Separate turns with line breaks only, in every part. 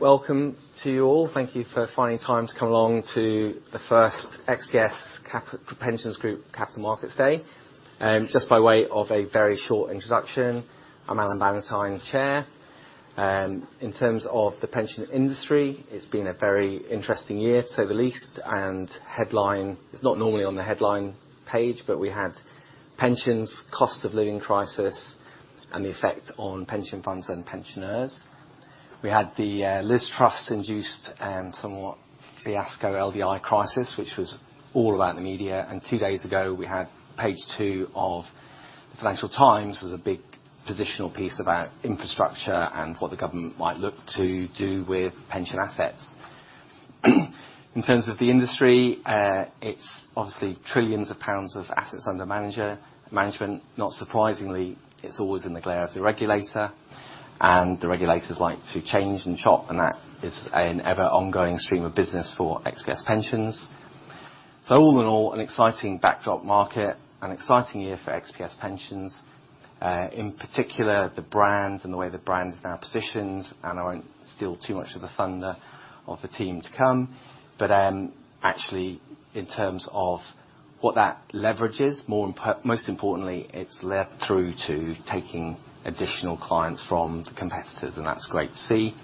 Welcome to you all. Thank you for finding time to come along to the first XPS Pensions Group Capital Markets Day. Just by way of a very short introduction, I'm Alan Bannatyne, Chair. In terms of the pension industry, it's been a very interesting year, to say the least. It's not normally on the headline page, but we had pensions, cost of living crisis, and the effect on pension funds and pensioners. We had the Liz Truss induced and somewhat fiasco LDI crisis, which was all about in the media. two days ago we had page two of the Financial Times. There's a big positional piece about infrastructure and what the government might look to do with pension assets. In terms of the industry, it's obviously trillions of pounds of assets under management. Not surprisingly, it's always in the glare of the regulator, and the regulators like to change and chop, and that is an ever ongoing stream of business for XPS Pensions. All in all, an exciting backdrop market, an exciting year for XPS Pensions, in particular the brand and the way the brand is now positioned. I won't steal too much of the thunder of the team to come, but, actually in terms of what that leverage is, most importantly, it's levered through to taking additional clients from the competitors, and that's great to see.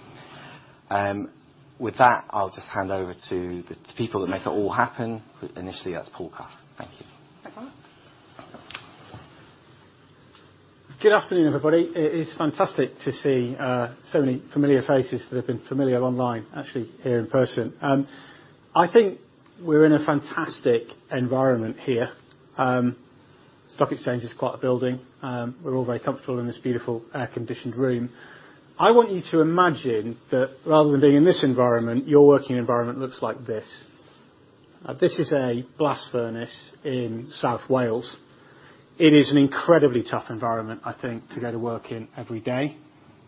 With that, I'll just hand over to the people that make it all happen. Initially, that's Paul Cuff. Thank you.
Thank you. Good afternoon, everybody. It is fantastic to see so many familiar faces that have been familiar online, actually here in person. I think we're in a fantastic environment here. Stock Exchange is quite a building. We're all very comfortable in this beautiful air-conditioned room. I want you to imagine that rather than being in this environment, your working environment looks like this. This is a blast furnace in South Wales. It is an incredibly tough environment, I think, to go to work in every day.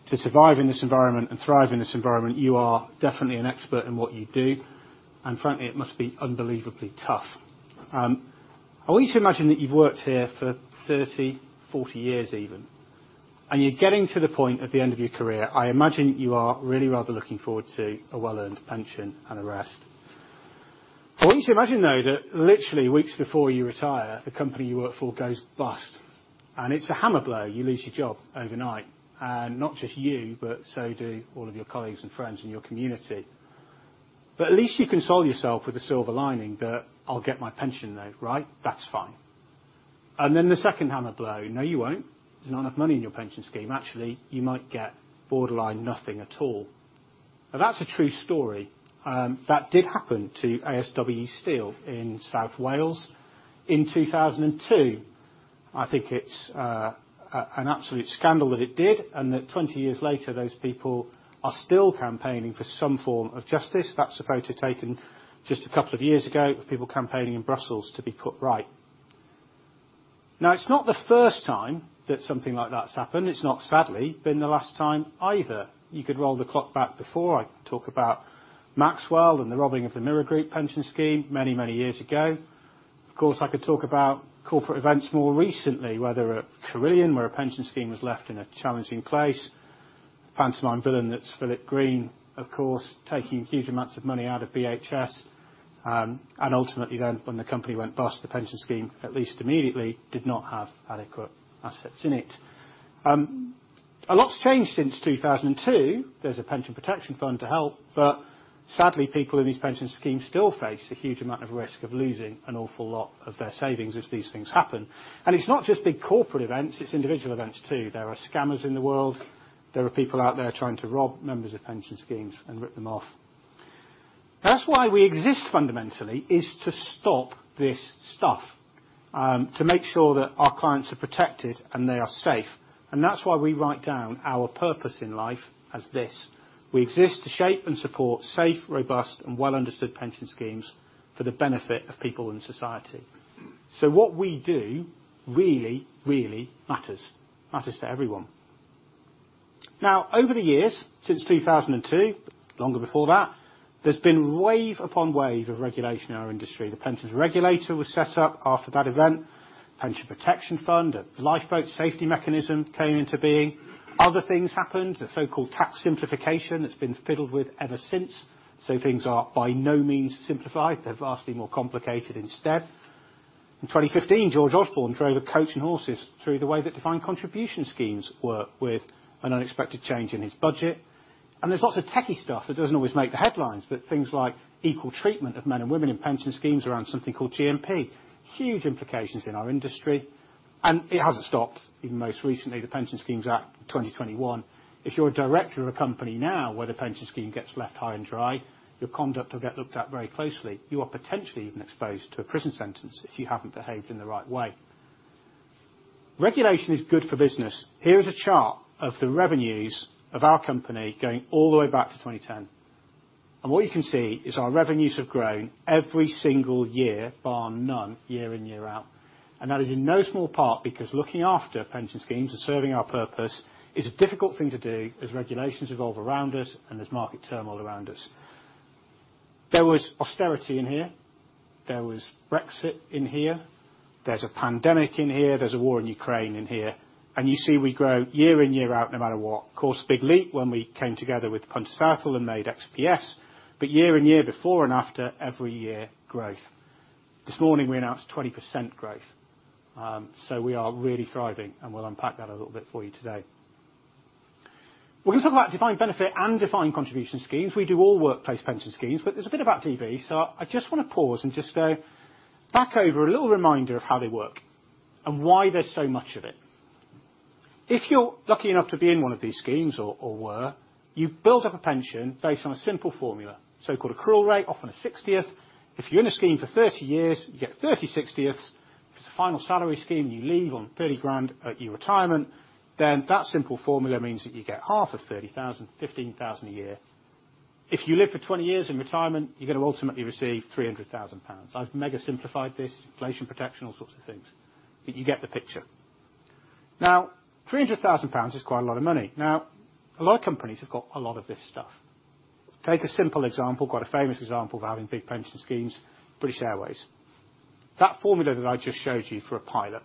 To survive in this environment and thrive in this environment, you are definitely an expert in what you do, and frankly, it must be unbelievably tough. I want you to imagine that you've worked here for 30, 40 years even, and you're getting to the point at the end of your career, I imagine you are really rather looking forward to a well-earned pension and a rest. I want you to imagine, though, that literally weeks before you retire, the company you work for goes bust, and it's a hammer blow. You lose your job overnight. Not just you, but so do all of your colleagues and friends in your community. At least you console yourself with a silver lining that I'll get my pension though, right? That's fine. Then the second hammer blow, no, you won't. There's not enough money in your pension scheme. Actually, you might get borderline nothing at all. Now, that's a true story. That did happen to ASW in South Wales in 2002. I think it's an absolute scandal that it did, and that 20 years later, those people are still campaigning for some form of justice. That's a photo taken just a couple of years ago of people campaigning in Brussels to be put right. It's not the first time that something like that's happened. It's not sadly been the last time either. You could roll the clock back before I talk about Maxwell and the robbing of the Mirror Group pension scheme many, many years ago. Of course, I could talk about corporate events more recently, whether at Carillion, where a pension scheme was left in a challenging place. Pantomime villain that's Philip Green, of course, taking huge amounts of money out of BHS. Ultimately when the company went bust, the pension scheme, at least immediately, did not have adequate assets in it. A lot's changed since 2002. There's a Pension Protection Fund to help, sadly, people in these pension schemes still face a huge amount of risk of losing an awful lot of their savings as these things happen. It's not just big corporate events, it's individual events too. There are scammers in the world. There are people out there trying to rob members of pension schemes and rip them off. That's why we exist, fundamentally, is to stop this stuff, to make sure that our clients are protected and they are safe. That's why we write down our purpose in life as this. We exist to shape and support safe, robust and well understood pension schemes for the benefit of people in society. What we do really matters. Matters to everyone. Now, over the years, since 2002, longer before that, there's been wave upon wave of regulation in our industry. The Pensions Regulator was set up after that event, Pension Protection Fund, a lifeboat safety mechanism came into being. Other things happened, the so-called tax simplification that's been fiddled with ever since. Things are by no means simplified. They're vastly more complicated instead. In 2015, George Osborne drove a coach and horses through the way that defined contribution schemes work with an unexpected change in his budget. There's lots of techie stuff that doesn't always make the headlines, but things like equal treatment of men and women in pension schemes around something called GMP. Huge implications in our industry. It hasn't stopped, even most recently, the Pension Schemes Act 2021. If you're a director of a company now where the pension scheme gets left high and dry, your conduct will get looked at very closely. You are potentially even exposed to a prison sentence if you haven't behaved in the right way. Regulation is good for business. Here is a chart of the revenues of our company going all the way back to 2010. What you can see is our revenues have grown every single year, bar none, year in, year out. That is in no small part because looking after pension schemes and serving our purpose is a difficult thing to do as regulations evolve around us and there's market turmoil around us. There was austerity in here, there was Brexit in here, there's a pandemic in here, there's a war in Ukraine in here. You see we grow year in, year out, no matter what. Of course, a big leap when we came together with Pensionsoft and made XPS. Year and year before and after, every year, growth. This morning we announced 20% growth. We are really thriving, and we'll unpack that a little bit for you today. We're gonna talk about defined benefit and defined contribution schemes. We do all workplace pension schemes. There's a bit about DB. I just wanna pause and just go back over a little reminder of how they work and why there's so much of it. If you're lucky enough to be in one of these schemes or were, you build up a pension based on a simple formula. So-called accrual rate, often a 60th. If you're in a scheme for 30 years, you get 30 60th. If it's a final salary scheme, and you leave on 30,000 at your retirement, that simple formula means that you get half of 30,000, 15,000 a year. If you live for 20 years in retirement, you're gonna ultimately receive 300,000 pounds. I've mega simplified this, inflation protection, all sorts of things. You get the picture. Three hundred thousand pounds is quite a lot of money. A lot of companies have got a lot of this stuff. Take a simple example, quite a famous example of having big pension schemes, British Airways. That formula that I just showed you for a pilot.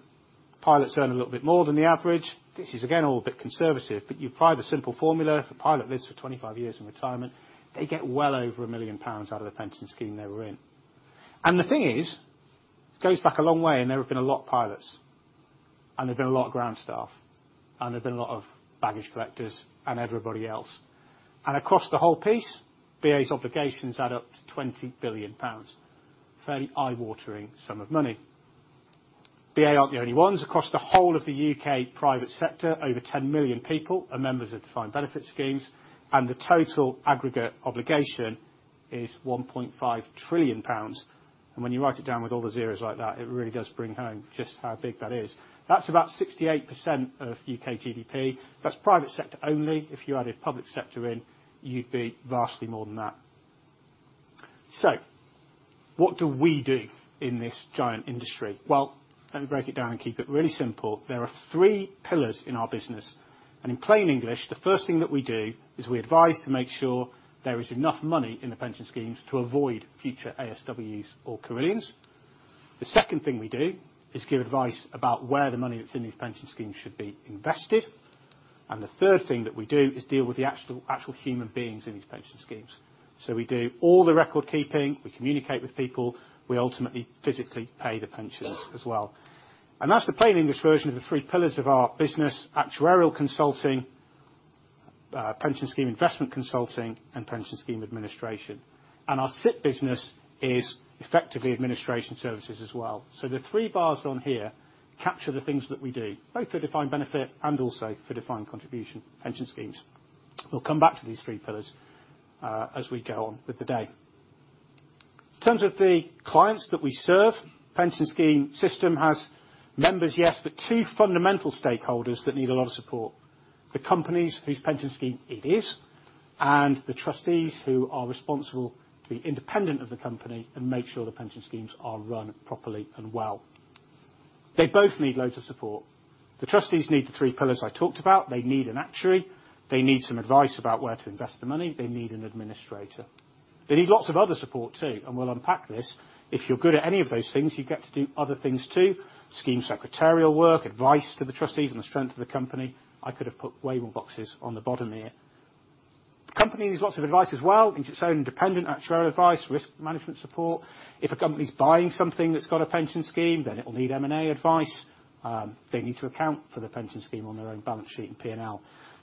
Pilots earn a little bit more than the average. This is again, all a bit conservative, but you apply the simple formula. If a pilot lives for 25 years in retirement, they get well over 1 million pounds out of the pension scheme they were in. The thing is, it goes back a long way, and there have been a lot of pilots, and there have been a lot of ground staff, and there have been a lot of baggage collectors and everybody else. Across the whole piece, BA's obligations add up to 20 billion pounds. Fairly eye-watering sum of money. BA aren't the only ones. Across the whole of the UK private sector, over 10 million people are members of defined benefit schemes, the total aggregate obligation is 1.5 trillion pounds. When you write it down with all the zeros like that, it really does bring home just how big that is. That's about 68% of UK GDP. That's private sector only. If you added public sector in, you'd be vastly more than that. What do we do in this giant industry? Well, let me break it down and keep it really simple. There are three pillars in our business, and in plain English, the first thing that we do is we advise to make sure there is enough money in the pension schemes to avoid future ASWs or Carillion. The second thing we do is give advice about where the money that's in these pension schemes should be invested. The third thing that we do is deal with the actual human beings in these pension schemes. We do all the record keeping, we communicate with people, we ultimately physically pay the pensions as well. That's the plain English version of the three pillars of our business, actuarial consulting, pension scheme investment consulting, and pension scheme administration. Our SIP business is effectively administration services as well. The three bars on here capture the things that we do, both for defined benefit and also for defined contribution pension schemes. We'll come back to these three pillars, as we go on with the day. In terms of the clients that we serve, pension scheme system has members, yes, but two fundamental stakeholders that need a lot of support. The companies whose pension scheme it is, and the trustees who are responsible to be independent of the company and make sure the pension schemes are run properly and well. They both need loads of support. The trustees need the three pillars I talked about. They need an actuary. They need some advice about where to invest the money. They need an administrator. They need lots of other support too, and we'll unpack this. If you're good at any of those things, you get to do other things too. Scheme secretarial work, advice to the trustees and the strength of the company. I could have put way more boxes on the bottom here. Company needs lots of advice as well, into its own independent actuarial advice, risk management support. If a company's buying something that's got a pension scheme, then it will need M&A advice. They need to account for the pension scheme on their own balance sheet in P&L.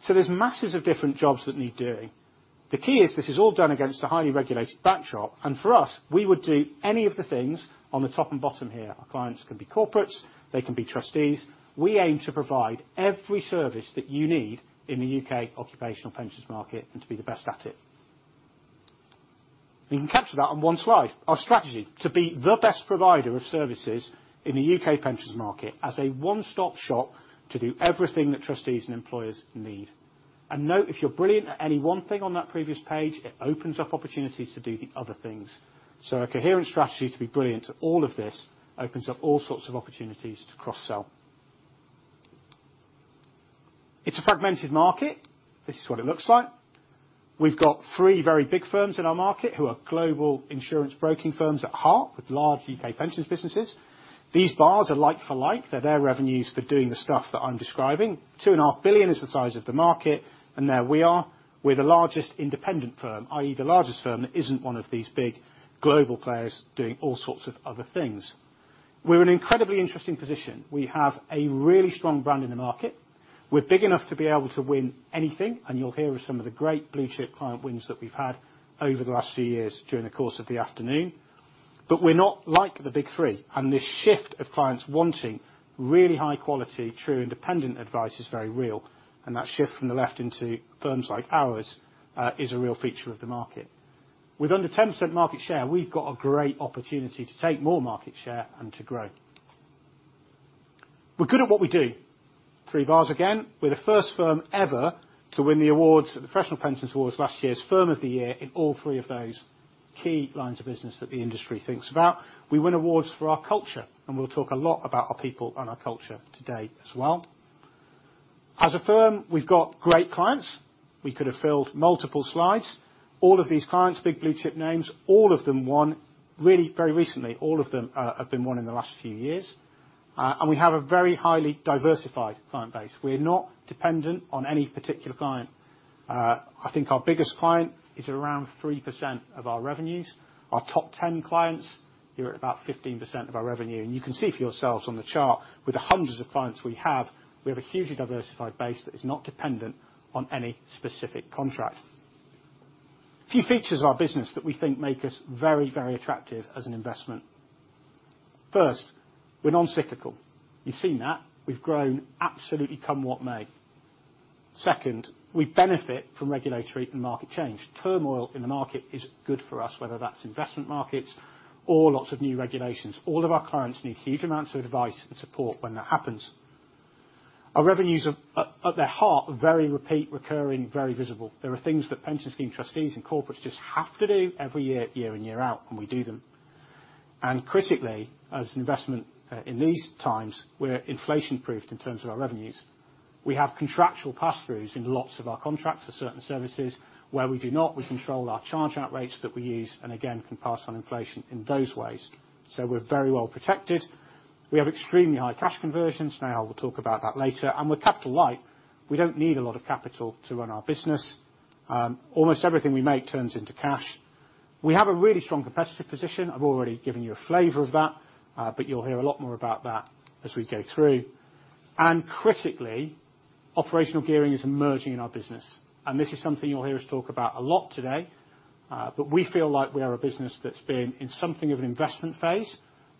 There's masses of different jobs that need doing. The key is this is all done against a highly regulated back shop, and for us, we would do any of the things on the top and bottom here. Our clients can be corporates, they can be trustees. We aim to provide every service that you need in the UK occupational pensions market and to be the best at it. We can capture that on one slide. Our strategy, to be the best provider of services in the UK pensions market as a one-stop shop to do everything that trustees and employers need. Note, if you're brilliant at any one thing on that previous page, it opens up opportunities to do the other things. A coherent strategy to be brilliant at all of this opens up all sorts of opportunities to cross-sell. It's a fragmented market. This is what it looks like. We've got three very big firms in our market who are global insurance broking firms at heart with large UK pensions businesses. These bars are like for like. They're their revenues for doing the stuff that I'm describing. 2.5 billion is the size of the market, and there we are. We're the largest independent firm, i.e. the largest firm that isn't one of these big global players doing all sorts of other things. We're in an incredibly interesting position. We have a really strong brand in the market. We're big enough to be able to win anything, and you'll hear of some of the great blue-chip client wins that we've had over the last few years during the course of the afternoon. We're not like the Big Three. This shift of clients wanting really high quality, true independent advice is very real. That shift from the left into firms like ours, is a real feature of the market. With under 10% market share, we've got a great opportunity to take more market share and to grow. We're good at what we do. Three bars again. We're the first firm ever to win the awards at the Professional Pensions Awards last year's Firm of the Year in all three of those key lines of business that the industry thinks about. We win awards for our culture. We'll talk a lot about our people and our culture today as well. As a firm, we've got great clients. We could have filled multiple slides. All of these clients, big blue chip names, all of them won really very recently. All of them have been won in the last few years. We have a very highly diversified client base. We're not dependent on any particular client. I think our biggest client is around 3% of our revenues. Our top 10 clients, they're at about 15% of our revenue. You can see for yourselves on the chart, with the hundreds of clients we have, we have a hugely diversified base that is not dependent on any specific contract. Few features of our business that we think make us very, very attractive as an investment. First, we're non-cyclical. You've seen that. We've grown absolutely come what may. Second, we benefit from regulatory and market change. Turmoil in the market is good for us, whether that's investment markets or lots of new regulations. All of our clients need huge amounts of advice and support when that happens. Our revenues are at their heart, very repeat, recurring, very visible. There are things that pension scheme trustees and corporates just have to do every year in, year out, and we do them. Critically, as an investment in these times, we're inflation-proofed in terms of our revenues. We have contractual pass-throughs in lots of our contracts for certain services. Where we do not, we control our charge-out rates that we use, and again, can pass on inflation in those ways. We're very well protected. We have extremely high cash conversions. I will talk about that later. We're capital light. We don't need a lot of capital to run our business. Almost everything we make turns into cash. We have a really strong competitive position. I've already given you a flavor of that, but you'll hear a lot more about that as we go through. Critically, operational gearing is emerging in our business, and this is something you'll hear us talk about a lot today. We feel like we are a business that's been in something of an investment phase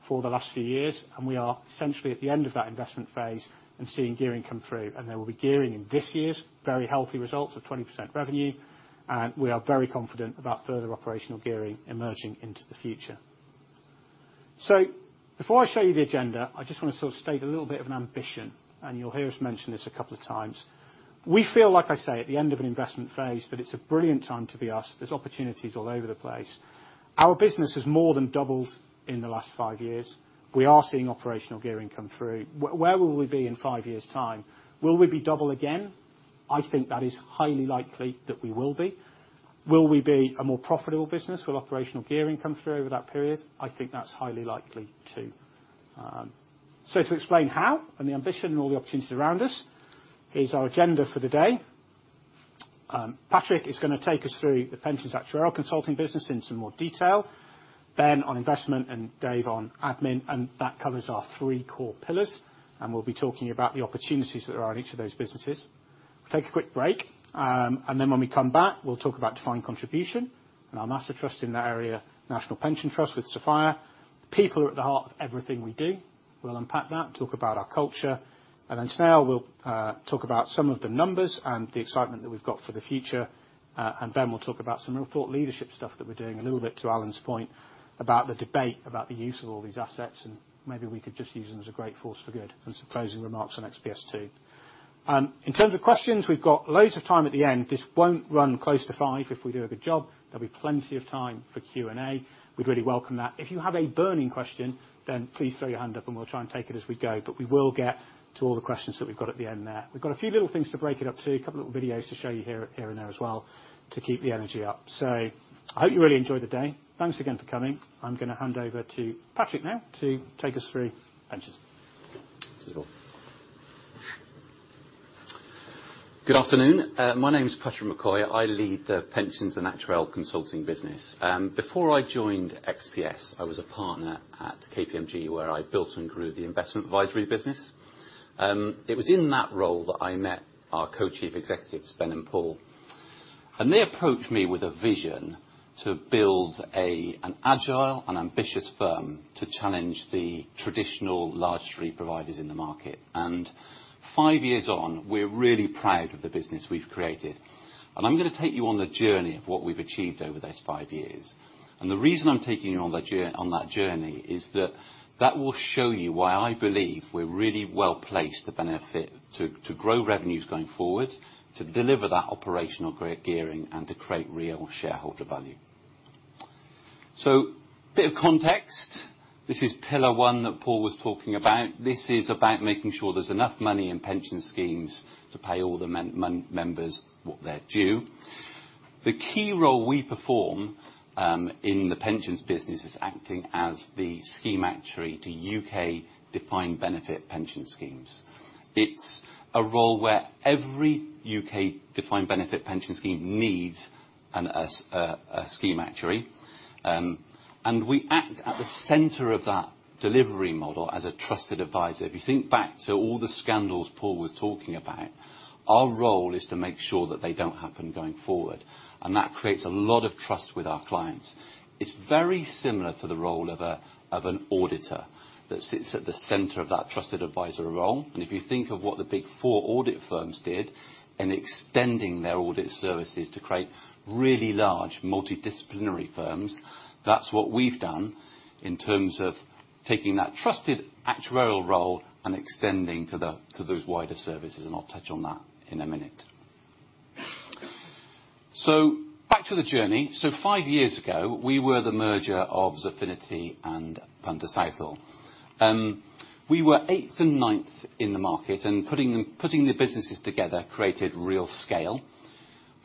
for the last few years, and we are essentially at the end of that investment phase and seeing gearing come through. There will be gearing in this year's very healthy results of 20% revenue, and we are very confident about further operational gearing emerging into the future. Before I show you the agenda, I just want to sort of state a little bit of an ambition, and you'll hear us mention this a couple of times. We feel, like I say, at the end of an investment phase, that it's a brilliant time to be us. There's opportunities all over the place. Our business has more than doubled in the last five years. We are seeing operational gearing come through. Where will we be in five years time? Will we be double again? I think that is highly likely that we will be. Will we be a more profitable business? Will operational gearing come through over that period? I think that's highly likely, too. To explain how and the ambition and all the opportunities around us, here's our agenda for the day. Patrick is gonna take us through the pensions actuarial consulting business in some more detail. Ben on investment and Dave on admin. That covers our three core pillars. We'll be talking about the opportunities that there are in each of those businesses. Take a quick break. Then when we come back, we'll talk about defined contribution and our master trust in that area, National Pension Trust with Safire. People are at the heart of everything we do. We'll unpack that, talk about our culture. Then Snehal will talk about some of the numbers and the excitement that we've got for the future. Ben will talk about some real thought leadership stuff that we're doing, a little bit to Alan's point about the debate about the use of all these assets, and maybe we could just use them as a great force for good, and some closing remarks on XPS too. In terms of questions, we've got loads of time at the end. This won't run close to five if we do a good job. There'll be plenty of time for Q&A. We'd really welcome that. If you have a burning question, please throw your hand up and we'll try and take it as we go. We will get to all the questions that we've got at the end there. We've got a few little things to break it up, too.
A couple of little videos to show you here and there as well to keep the energy up. I hope you really enjoy the day. Thanks again for coming. I'm gonna hand over to Patrick now to take us through pensions.
Good afternoon. My name is Patrick McCoy. I lead the pensions and actuarial consulting business. Before I joined XPS, I was a partner at KPMG, where I built and grew the investment advisory business. It was in that role that I met our Co-Chief Executives, Ben and Paul. They approached me with a vision to build an agile and ambitious firm to challenge the traditional large three providers in the market. 5 years on, we're really proud of the business we've created. I'm gonna take you on the journey of what we've achieved over those 5 years. The reason I'm taking you on that journey is that that will show you why I believe we're really well placed to benefit, to grow revenues going forward, to deliver that operational great gearing, and to create real shareholder value. A bit of context. This is pillar one that Paul was talking about. This is about making sure there's enough money in pension schemes to pay all the members what they're due. The key role we perform in the pensions business is acting as the scheme actuary to U.K. defined benefit pension schemes. It's a role where every U.K. defined benefit pension scheme needs a scheme actuary. We act at the center of that delivery model as a trusted advisor. If you think back to all the scandals Paul was talking about, our role is to make sure that they don't happen going forward, and that creates a lot of trust with our clients. It's very similar to the role of an auditor that sits at the center of that trusted advisor role. If you think of what the big four audit firms did in extending their audit services to create really large multidisciplinary firms, that's what we've done in terms of taking that trusted actuarial role and extending to the, to those wider services, and I'll touch on that in a minute. Back to the journey. Five years ago, we were the merger of Xafinity and Punter Southall. We were eighth and ninth in the market, and putting the businesses together created real scale.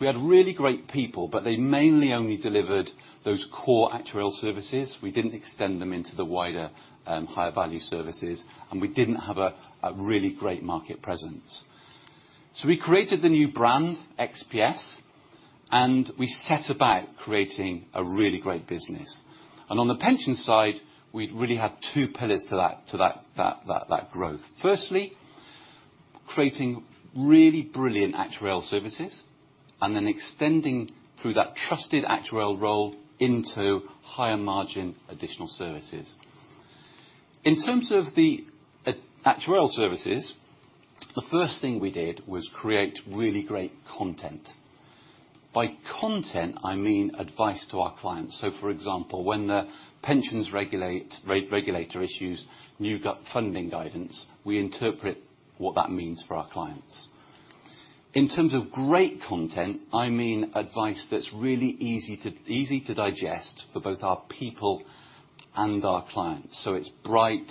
We had really great people, but they mainly only delivered those core actuarial services. We didn't extend them into the wider, higher value services, and we didn't have a really great market presence. We created the new brand, XPS, and we set about creating a really great business. On the pension side, we really had two pillars to that growth. Firstly, creating really brilliant actuarial services and then extending through that trusted actuarial role into higher margin additional services. In terms of the actuarial services, the first thing we did was create really great content. By content, I mean advice to our clients. For example, when The Pensions Regulator issues new funding guidance, we interpret what that means for our clients. In terms of great content, I mean advice that's really easy to digest for both our people and our clients. It's bright,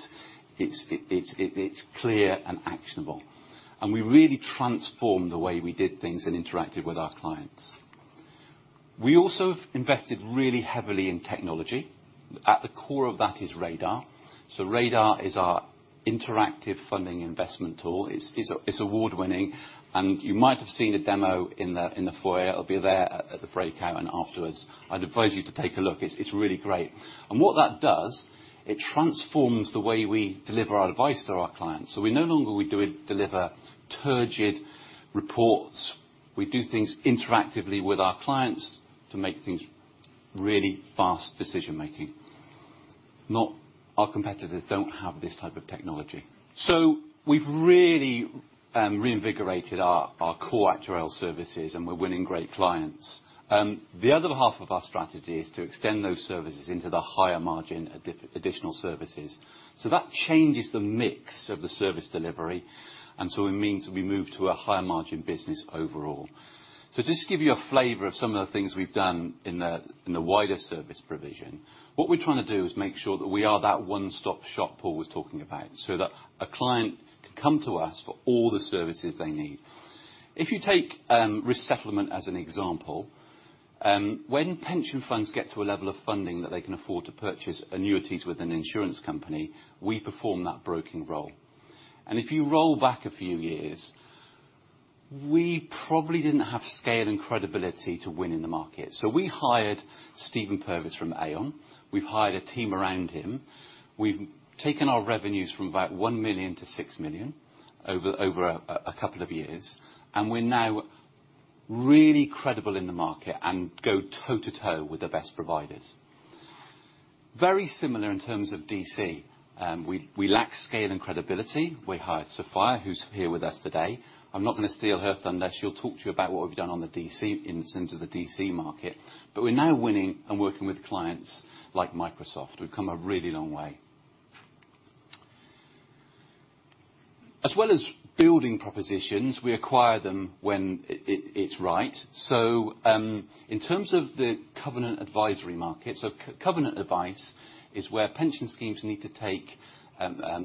it's clear and actionable. We really transformed the way we did things and interacted with our clients. We also have invested really heavily in technology. At the core of that is Radar. Radar is our interactive funding investment tool. It's award-winning, and you might have seen a demo in the foyer. It'll be there at the breakout and afterwards. I'd advise you to take a look. It's really great. What that does, it transforms the way we deliver our advice to our clients. We no longer deliver turgid reports. We do things interactively with our clients to make things really fast decision-making. Our competitors don't have this type of technology. We've really reinvigorated our core actuarial services, and we're winning great clients. The other half of our strategy is to extend those services into the higher margin additional services. That changes the mix of the service delivery, it means we move to a higher margin business overall. Just to give you a flavor of some of the things we've done in the wider service provision, what we're trying to do is make sure that we are that one-stop shop Paul was talking about, so that a client can come to us for all the services they need. If you take risk settlement as an example, when pension funds get to a level of funding that they can afford to purchase annuities with an insurance company, we perform that broking role. If you roll back a few years, we probably didn't have scale and credibility to win in the market. We hired Steven Purvis from Aon. We've hired a team around him. We've taken our revenues from about 1 million to 6 million over a couple of years. We're now really credible in the market and go toe-to-toe with the best providers. Very similar in terms of DC. We lack scale and credibility. We hired Sophia, who's here with us today. I'm not gonna steal her thunder. She'll talk to you about what we've done on the DC, in the sense of the DC market. We're now winning and working with clients like Microsoft. We've come a really long way. As well as building propositions, we acquire them when it's right. In terms of the covenant advisory market, covenant advice is where pension schemes need to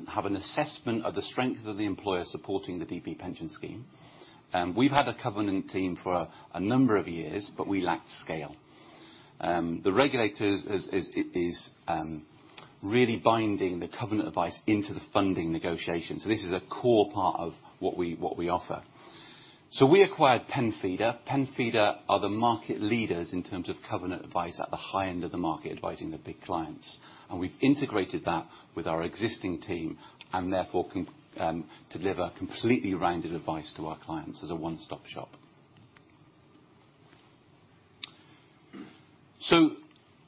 have an assessment of the strength of the employer supporting the DB pension scheme. We've had a covenant team for a number of years, but we lacked scale. The regulators is really binding the covenant advice into the funding negotiations. This is a core part of what we offer. We acquired Penfida. Penfida are the market leaders in terms of covenant advice at the high end of the market, advising the big clients. We've integrated that with our existing team and therefore can deliver completely rounded advice to our clients as a one-stop shop.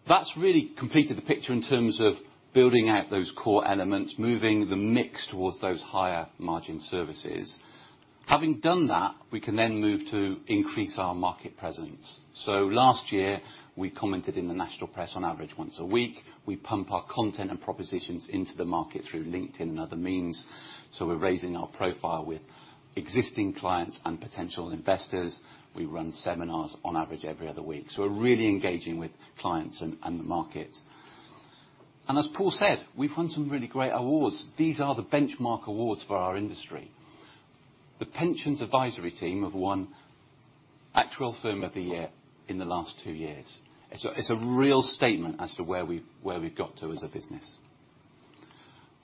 That's really completed the picture in terms of building out those core elements, moving the mix towards those higher margin services. Having done that, we can then move to increase our market presence. Last year, we commented in the national press on average once a week, we pump our content and propositions into the market through LinkedIn and other means. We're raising our profile with existing clients and potential investors. We run seminars on average every other week. We're really engaging with clients and the market. As Paul said, we've won some really great awards. These are the benchmark awards for our industry. The pensions advisory team have won Actuarial Firm of the Year in the last two years. It's a real statement as to where we've got to as a business.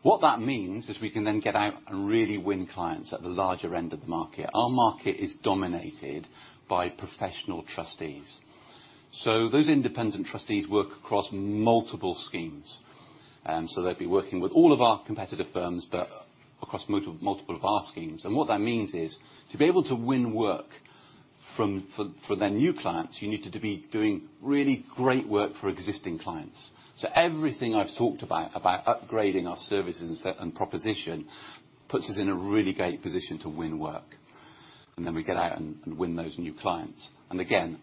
What that means is we can then get out and really win clients at the larger end of the market. Our market is dominated by professional trustees. Those independent trustees work across multiple schemes. They'd be working with all of our competitive firms, but across multiple of our schemes. What that means is, to be able to win work for their new clients, you need to be doing really great work for existing clients. Everything I've talked about upgrading our services and proposition, puts us in a really great position to win work. Then we get out and win those new clients. Again,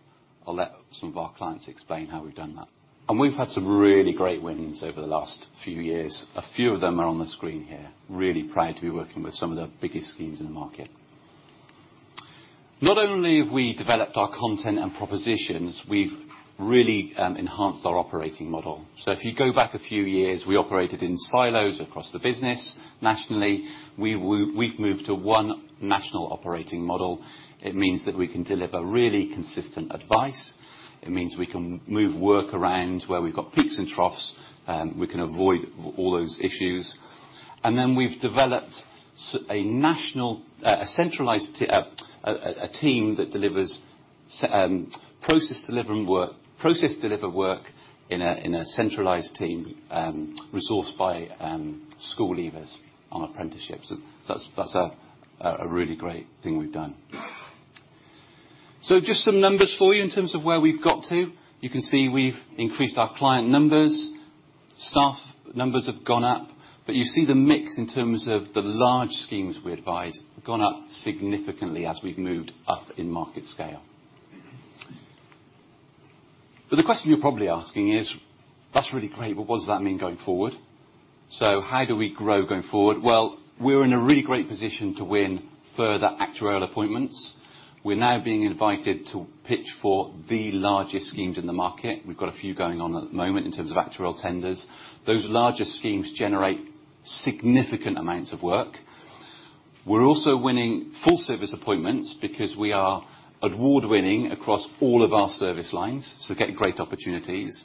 I'll let some of our clients explain how we've done that. We've had some really great winnings over the last few years. A few of them are on the screen here. Really proud to be working with some of the biggest schemes in the market. Not only have we developed our content and propositions, we've really enhanced our operating model. If you go back a few years, we operated in silos across the business nationally. We've moved to one national operating model. It means that we can deliver really consistent advice. It means we can move work around where we've got peaks and troughs, we can avoid all those issues. We've developed a national... A centralized team that delivers process deliver work in a centralized team, resourced by school leavers on apprenticeships. That's a really great thing we've done. Just some numbers for you in terms of where we've got to. You can see we've increased our client numbers, staff numbers have gone up. You see the mix in terms of the large schemes we advise have gone up significantly as we've moved up in market scale. The question you're probably asking is, "That's really great, but what does that mean going forward?" How do we grow going forward? We're in a really great position to win further actuarial appointments. We're now being invited to pitch for the largest schemes in the market. We've got a few going on at the moment in terms of actuarial tenders. Those larger schemes generate significant amounts of work. We're also winning full service appointments because we are award-winning across all of our service lines, so getting great opportunities.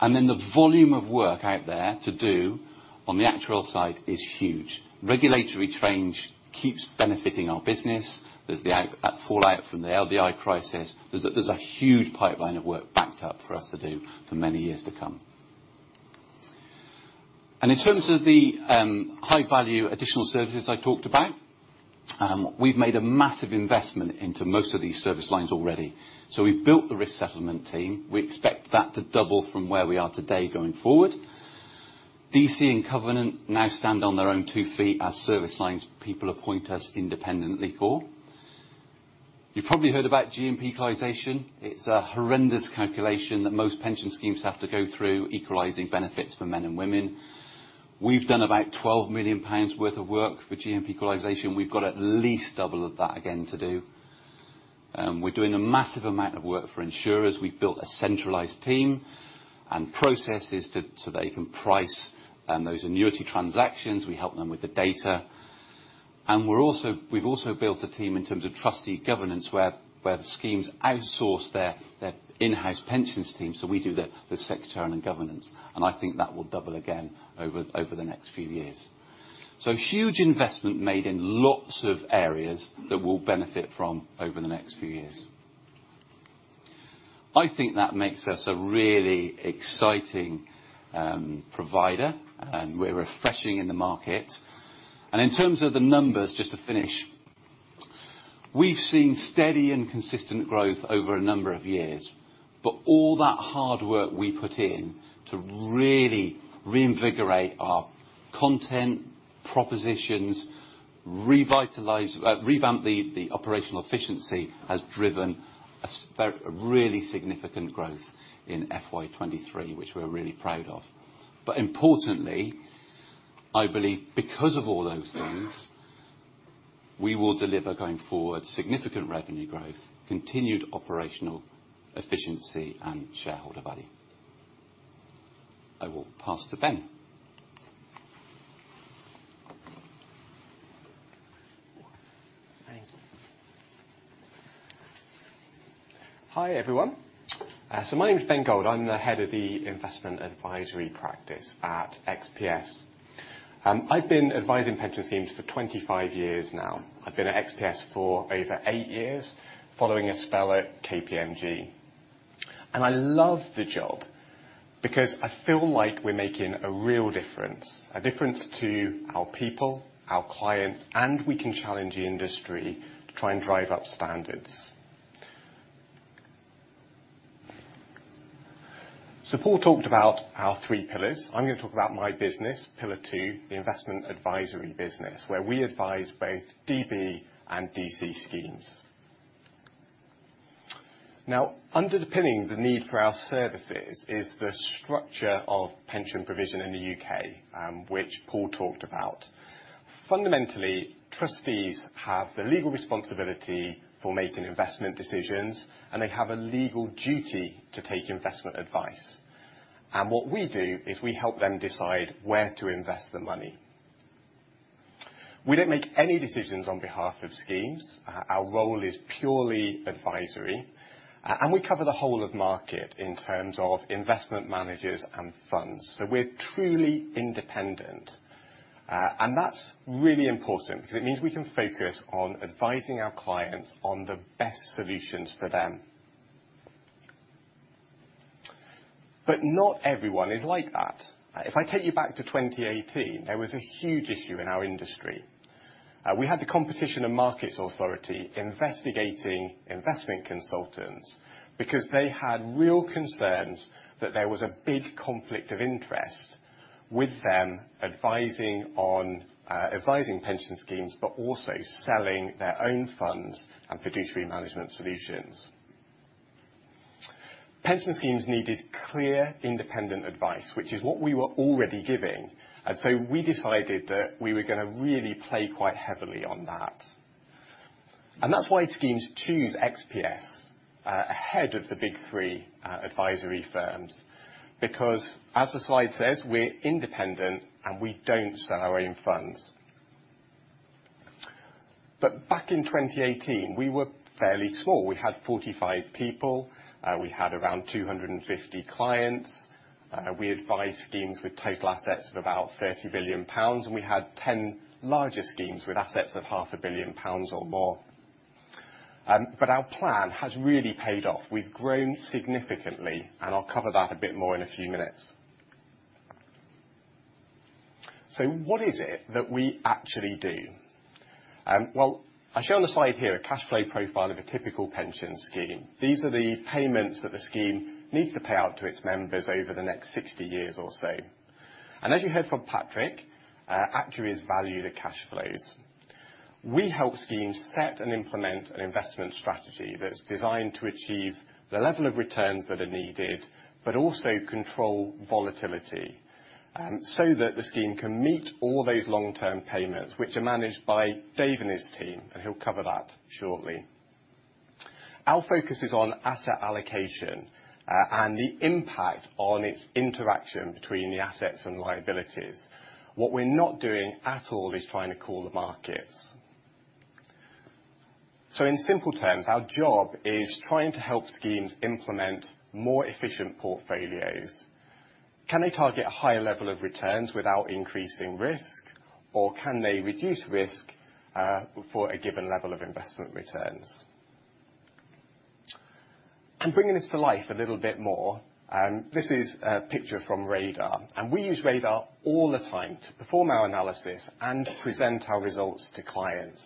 The volume of work out there to do on the actuarial side is huge. Regulatory change keeps benefiting our business. There's the fallout from the LDI crisis. There's a huge pipeline of work backed up for us to do for many years to come. In terms of the high value additional services I talked about, we've made a massive investment into most of these service lines already. We've built the risk settlement team. We expect that to double from where we are today going forward. DC and Covenant now stand on their own two feet as service lines people appoint us independently for. You've probably heard about GMP equalisation. It's a horrendous calculation that most pension schemes have to go through equalizing benefits for men and women. We've done about 12 million pounds worth of work for GMP equalisation. We've got at least double of that again to do. We're doing a massive amount of work for insurers. We've built a centralized team and processes so they can price those annuity transactions. We help them with the data. We've also built a team in terms of trustee governance, where the schemes outsource their in-house pensions team. We do the secretary and the governance, and I think that will double again over the next few years. Huge investment made in lots of areas that we'll benefit from over the next few years. I think that makes us a really exciting provider, and we're refreshing in the market. In terms of the numbers, just to finish, we've seen steady and consistent growth over a number of years. All that hard work we put in to really reinvigorate our content, propositions, revamp the operational efficiency has driven a really significant growth in FY 23, which we're really proud of. Importantly, I believe because of all those things, we will deliver going forward, significant revenue growth, continued operational efficiency, and shareholder value. I will pass to Ben.
Thank you. Hi, everyone. My name is Ben Gold. I'm the Head of the Investment Advisory Practice at XPS. I've been advising pension schemes for 25 years now. I've been at XPS for over 8 years, following a spell at KPMG. I love the job because I feel like we're making a real difference, a difference to our people, our clients, and we can challenge the industry to try and drive up standards. Paul talked about our 3 pillars. I'm gonna talk about my business, pillar 2, the Investment Advisory Business, where we advise both DB and DC schemes. Now, underpinning the need for our services is the structure of pension provision in the U.K., which Paul talked about. Fundamentally, trustees have the legal responsibility for making investment decisions, and they have a legal duty to take investment advice. What we do is we help them decide where to invest the money. We don't make any decisions on behalf of schemes. Our role is purely advisory. We cover the whole of market in terms of investment managers and funds, so we're truly independent. That's really important because it means we can focus on advising our clients on the best solutions for them. Not everyone is like that. If I take you back to 2018, there was a huge issue in our industry. We had the Competition and Markets Authority investigating investment consultants because they had real concerns that there was a big conflict of interest with them, advising on advising pension schemes, but also selling their own funds and fiduciary management solutions. Pension schemes needed clear, independent advice, which is what we were already giving. We decided that we were gonna really play quite heavily on that. That's why schemes choose XPS ahead of the big three advisory firms, because as the slide says, we're independent, and we don't sell our own funds. Back in 2018, we were fairly small. We had 45 people. We had around 250 clients. We advised schemes with total assets of about 30 billion pounds, and we had 10 larger schemes with assets of half a billion pounds or more. Our plan has really paid off. We've grown significantly, and I'll cover that a bit more in a few minutes. What is it that we actually do? Well, I show on the slide here a cash flow profile of a typical pension scheme. These are the payments that the scheme needs to pay out to its members over the next 60 years or so. As you heard from Patrick, actuaries value the cash flows. We help schemes set and implement an investment strategy that's designed to achieve the level of returns that are needed, but also control volatility, so that the scheme can meet all those long-term payments which are managed by Dave and his team, and he'll cover that shortly. Our focus is on asset allocation, and the impact on its interaction between the assets and liabilities. What we're not doing at all is trying to call the markets. In simple terms, our job is trying to help schemes implement more efficient portfolios. Can they target a higher level of returns without increasing risk, or can they reduce risk for a given level of investment returns? Bringing this to life a little bit more, this is a picture from Radar, and we use Radar all the time to perform our analysis and present our results to clients.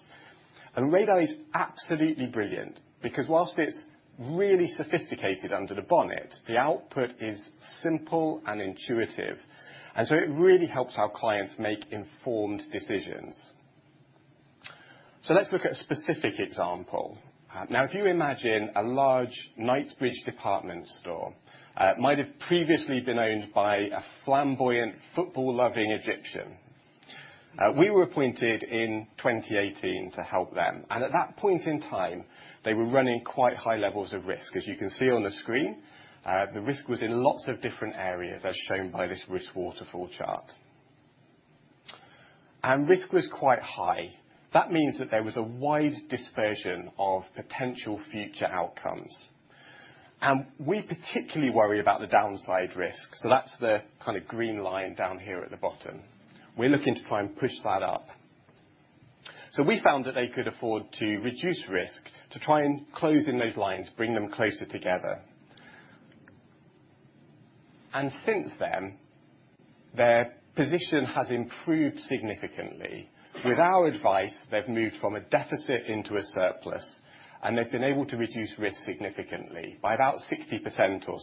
Radar is absolutely brilliant because whilst it's really sophisticated under the bonnet, the output is simple and intuitive, and so it really helps our clients make informed decisions. Let's look at a specific example. Now if you imagine a large Knightsbridge department store, it might have previously been owned by a flamboyant football-loving Egyptian. We were appointed in 2018 to help them, and at that point in time, they were running quite high levels of risk. As you can see on the screen, the risk was in lots of different areas as shown by this risk waterfall chart. Risk was quite high. That means that there was a wide dispersion of potential future outcomes, and we particularly worry about the downside risk, so that's the kind of green line down here at the bottom. We're looking to try and push that up. We found that they could afford to reduce risk to try and close in those lines, bring them closer together. Since then, their position has improved significantly. With our advice, they've moved from a deficit into a surplus, and they've been able to reduce risk significantly by about 60% or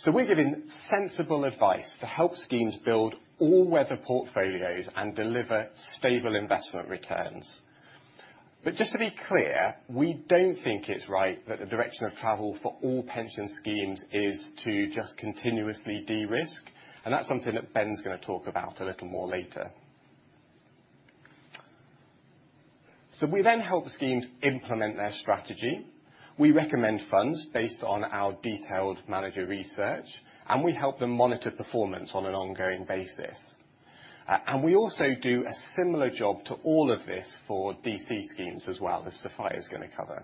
so. We're giving sensible advice to help schemes build all-weather portfolios and deliver stable investment returns. Just to be clear, we don't think it's right that the direction of travel for all pension schemes is to just continuously de-risk, and that's something that Ben's gonna talk about a little more later. We then help schemes implement their strategy. We recommend funds based on our detailed manager research, and we help them monitor performance on an ongoing basis. We also do a similar job to all of this for DC schemes as well, as Sophia's gonna cover.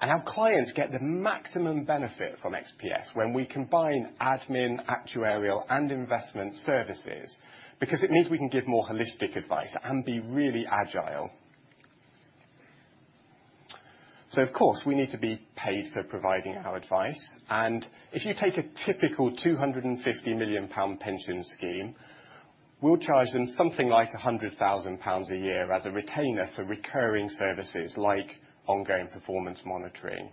Our clients get the maximum benefit from XPS when we combine admin, actuarial, and investment services because it means we can give more holistic advice and be really agile. Of course, we need to be paid for providing our advice, and if you take a typical 250 million pound pension scheme, we'll charge them something like 100,000 pounds a year as a retainer for recurring services like ongoing performance monitoring.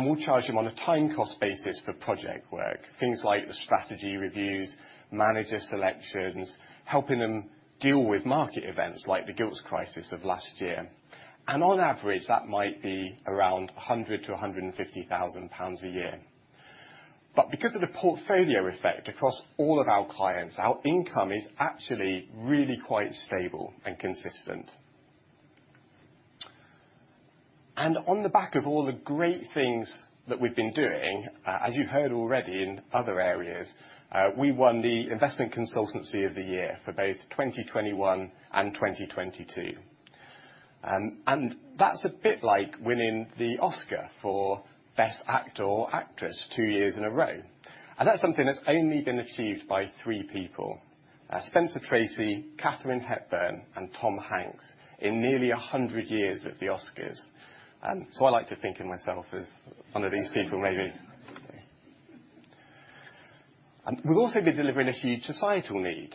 We'll charge them on a time cost basis for project work, things like the strategy reviews, manager selections, helping them deal with market events like the gilts crisis of last year. On average, that might be around 100,000-150,000 pounds a year. Because of the portfolio effect across all of our clients, our income is actually really quite stable and consistent. On the back of all the great things that we've been doing, as you've heard already in other areas, we won the Investment Consultancy of the Year for both 2021 and 2022. That's a bit like winning the Oscar for Best Actor or Actress two years in a row. That's something that's only been achieved by three people, Spencer Tracy, Katharine Hepburn, and Tom Hanks, in nearly 100 years at the Oscars. I like to think of myself as one of these people maybe. We've also been delivering a huge societal need,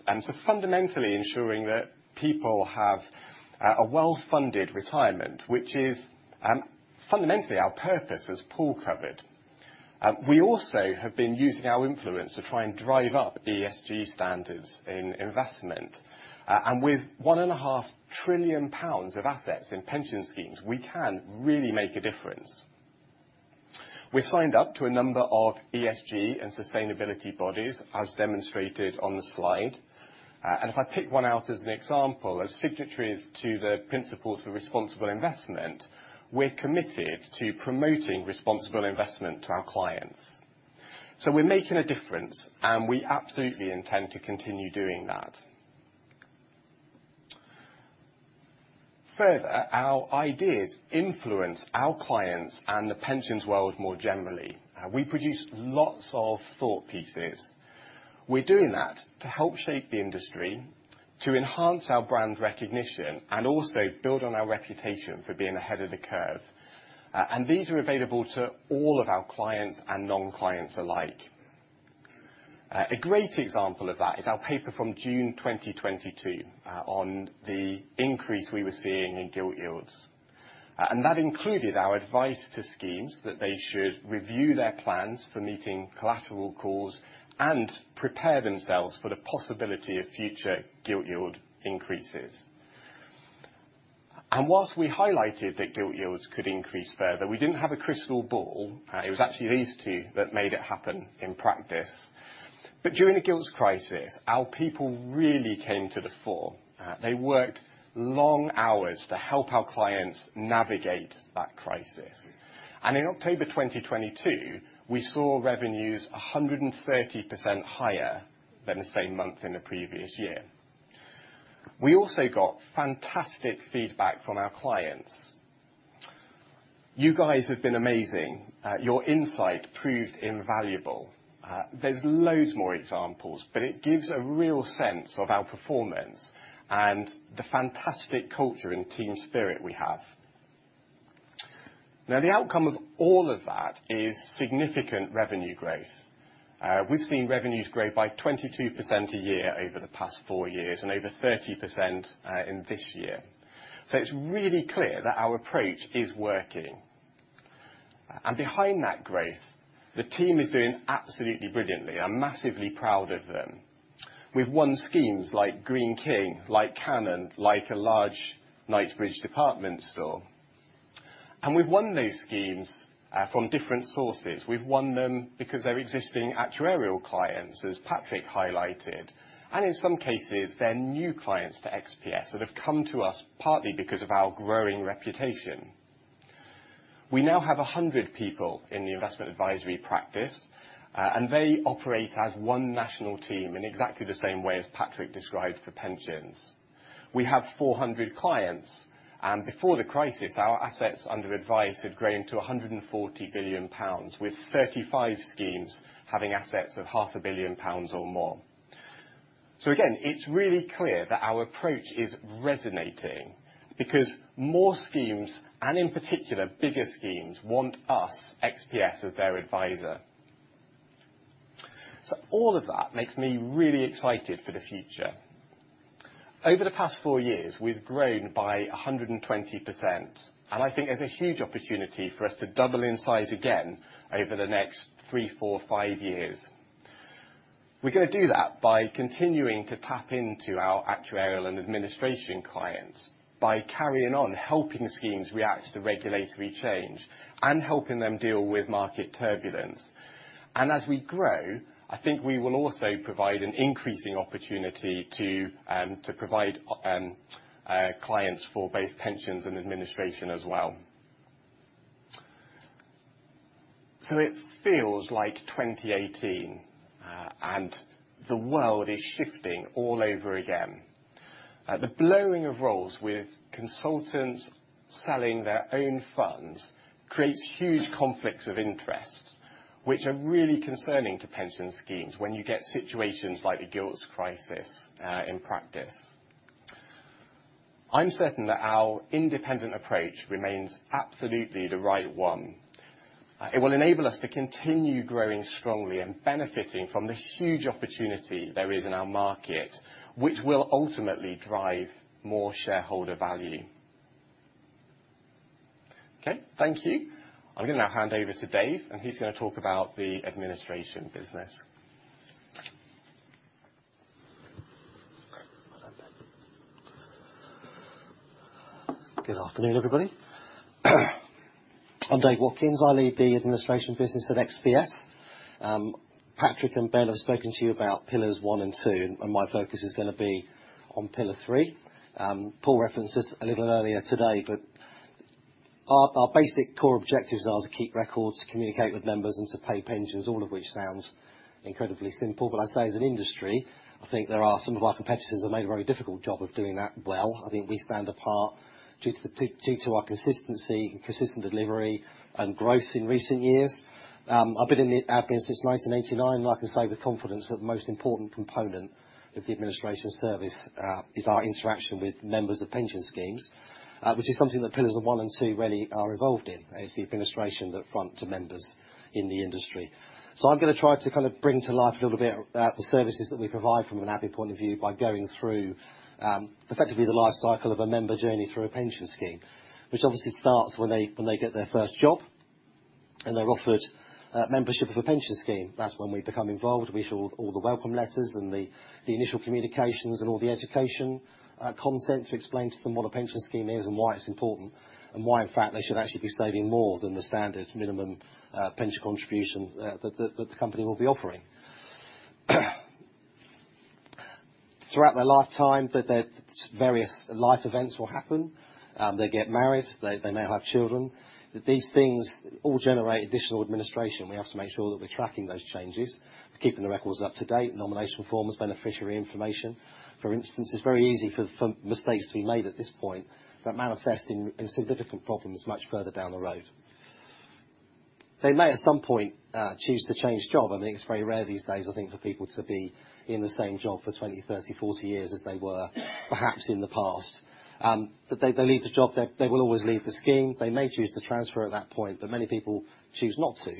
fundamentally ensuring that people have a well-funded retirement, which is fundamentally our purpose as Paul covered. We also have been using our influence to try and drive up ESG standards in investment. With 1.5 trillion pounds of assets in pension schemes, we can really make a difference. We're signed up to a number of ESG and sustainability bodies as demonstrated on the slide. If I pick one out as an example, as signatories to the Principles for Responsible Investment, we're committed to promoting responsible investment to our clients. We're making a difference, and we absolutely intend to continue doing that. Further, our ideas influence our clients and the pensions world more generally. We produce lots of thought pieces. We're doing that to help shape the industry, to enhance our brand recognition, and also build on our reputation for being ahead of the curve. These are available to all of our clients and non-clients alike. A great example of that is our paper from June 2022 on the increase we were seeing in gilt yields. That included our advice to schemes that they should review their plans for meeting collateral calls and prepare themselves for the possibility of future gilt yield increases. Whilst we highlighted that gilt yields could increase further, we didn't have a crystal ball. It was actually these two that made it happen in practice. During the gilts crisis, our people really came to the fore. They worked long hours to help our clients navigate that crisis. In October 2022, we saw revenues 130% higher than the same month in the previous year. We also got fantastic feedback from our clients. You guys have been amazing. Your insight proved invaluable. There's loads more examples, but it gives a real sense of our performance and the fantastic culture and team spirit we have. The outcome of all of that is significant revenue growth. We've seen revenues grow by 22% a year over the past four years and over 30% in this year. It's really clear that our approach is working. Behind that growth, the team is doing absolutely brilliantly. I'm massively proud of them. We've won schemes like Greene King, like Canon, like a large Knightsbridge department store. We've won those schemes from different sources. We've won them because they're existing actuarial clients, as Patrick highlighted, and in some cases, they're new clients to XPS that have come to us partly because of our growing reputation. We now have 100 people in the investment advisory practice, and they operate as one national team in exactly the same way as Patrick described for pensions. We have 400 clients, and before the crisis, our assets under advice had grown to 140 billion pounds, with 35 schemes having assets of half a billion pounds or more. Again, it's really clear that our approach is resonating because more schemes, and in particular, bigger schemes want us, XPS, as their advisor. All of that makes me really excited for the future. Over the past four years, we've grown by 120%, and I think there's a huge opportunity for us to double in size again over the next three, four, five years. We're gonna do that by continuing to tap into our actuarial and administration clients, by carrying on helping schemes react to regulatory change and helping them deal with market turbulence. As we grow, I think we will also provide an increasing opportunity to provide clients for both pensions and administration as well. It feels like 2018, and the world is shifting all over again. The blurring of roles with consultants selling their own funds creates huge conflicts of interest, which are really concerning to pension schemes when you get situations like the gilts crisis in practice. I'm certain that our independent approach remains absolutely the right one. It will enable us to continue growing strongly and benefiting from the huge opportunity there is in our market, which will ultimately drive more shareholder value. Okay, thank you. I'm gonna now hand over to Dave. He's gonna talk about the administration business.
Good afternoon, everybody. I'm Dave Watkins. I lead the administration business at XPS. Patrick and Ben have spoken to you about pillars one and two, and my focus is gonna be on pillar three. Paul referenced this a little earlier today, but our basic core objectives are to keep records, to communicate with members, and to pay pensions, all of which sounds incredibly simple. I'd say as an industry, I think there are some of our competitors have made a very difficult job of doing that well. I think we stand apart due to our consistency, consistent delivery, and growth in recent years. I've been in the XPS since 1989, and I can say with confidence that the most important component of the administration service is our interaction with members of pension schemes, which is something that pillars 1 and 2 really are involved in, is the administration that front to members in the industry. I'm gonna try to kind of bring to life a little bit about the services that we provide from an XPS point of view by going through effectively the life cycle of a member journey through a pension scheme. Which obviously starts when they get their first job, and they're offered membership of a pension scheme. That's when we become involved. We issue all the welcome letters and the initial communications and all the education content to explain to them what a pension scheme is and why it's important, and why in fact, they should actually be saving more than the standard minimum pension contribution that the company will be offering. Throughout their lifetime, their various life events will happen. They get married, they may have children. These things all generate additional administration. We have to make sure that we're tracking those changes, keeping the records up to date, nomination forms, beneficiary information. For instance, it's very easy for mistakes to be made at this point that manifest in significant problems much further down the road. They may, at some point, choose to change job. I think it's very rare these days, I think, for people to be in the same job for 20, 30, 40 years as they were perhaps in the past. They leave the job, they will always leave the scheme. They may choose to transfer at that point, but many people choose not to.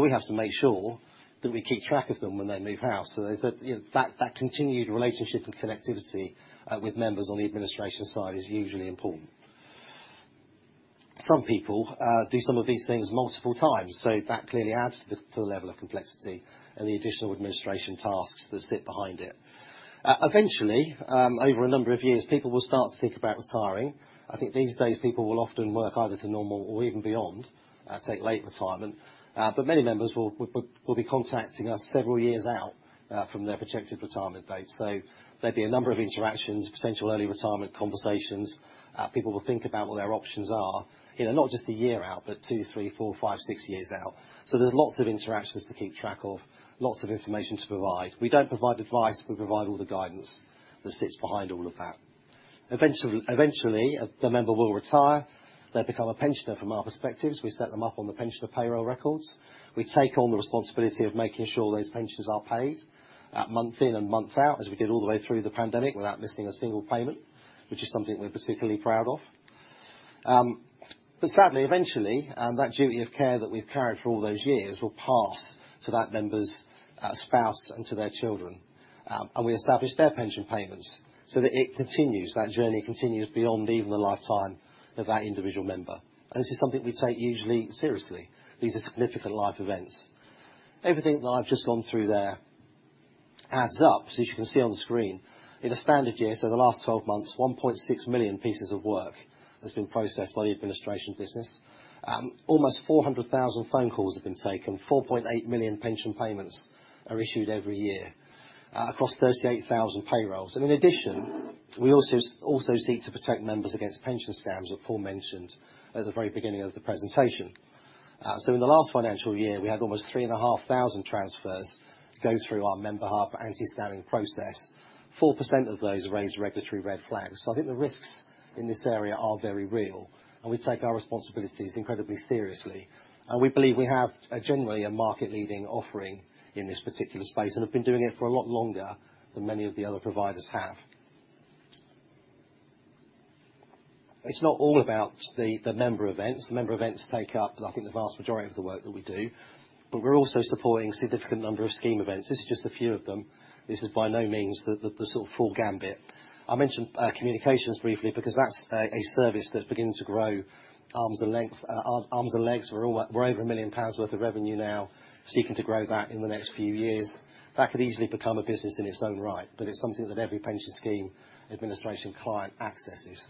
We have to make sure that we keep track of them when they move house, so that, you know, that continued relationship and connectivity with members on the administration side is usually important. Some people do some of these things multiple times, so that clearly adds to the level of complexity and the additional administration tasks that sit behind it. Eventually, over a number of years, people will start to think about retiring. I think these days people will often work either to normal or even beyond, take late retirement. But many members will be contacting us several years out from their projected retirement date. There'd be a number of interactions, potential early retirement conversations. People will think about what their options are, you know, not just a year out, but two, three, four, five, six years out. There's lots of interactions to keep track of, lots of information to provide. We don't provide advice, we provide all the guidance that sits behind all of that. Eventually, the member will retire, they become a pensioner from our perspective, so we set them up on the pensioner payroll records. We take on the responsibility of making sure those pensions are paid, month in and month out, as we did all the way through the pandemic without missing a single payment, which is something we're particularly proud of. Sadly, eventually, that duty of care that we've carried for all those years will pass to that member's spouse and to their children. We establish their pension payments so that it continues, that journey continues beyond even the lifetime of that individual member. This is something we take usually seriously. These are significant life events. Everything that I've just gone through there adds up, as you can see on the screen, in a standard year, the last 12 months, 1.6 million pieces of work has been processed by the administration business. Almost 400,000 phone calls have been taken. 4.8 million pension payments are issued every year, across 38,000 payrolls. In addition, we also seek to protect members against pension scams, as Paul mentioned at the very beginning of the presentation. So in the last financial year, we had almost 3,500 transfers go through our member anti-scamming process. 4% of those raised regulatory red flags. I think the risks in this area are very real, and we take our responsibilities incredibly seriously. We believe we have a generally a market-leading offering in this particular space, and have been doing it for a lot longer than many of the other providers have. It's not all about the member events. The member events take up, I think, the vast majority of the work that we do, but we're also supporting significant number of scheme events. This is just a few of them. This is by no means the sort of full gambit. I mentioned communications briefly because that's a service that's beginning to grow arms and lengths, arms and legs. We're over 1 million pounds worth of revenue now, seeking to grow that in the next few years. That could easily become a business in its own right, but it's something that every pension scheme administration client accesses.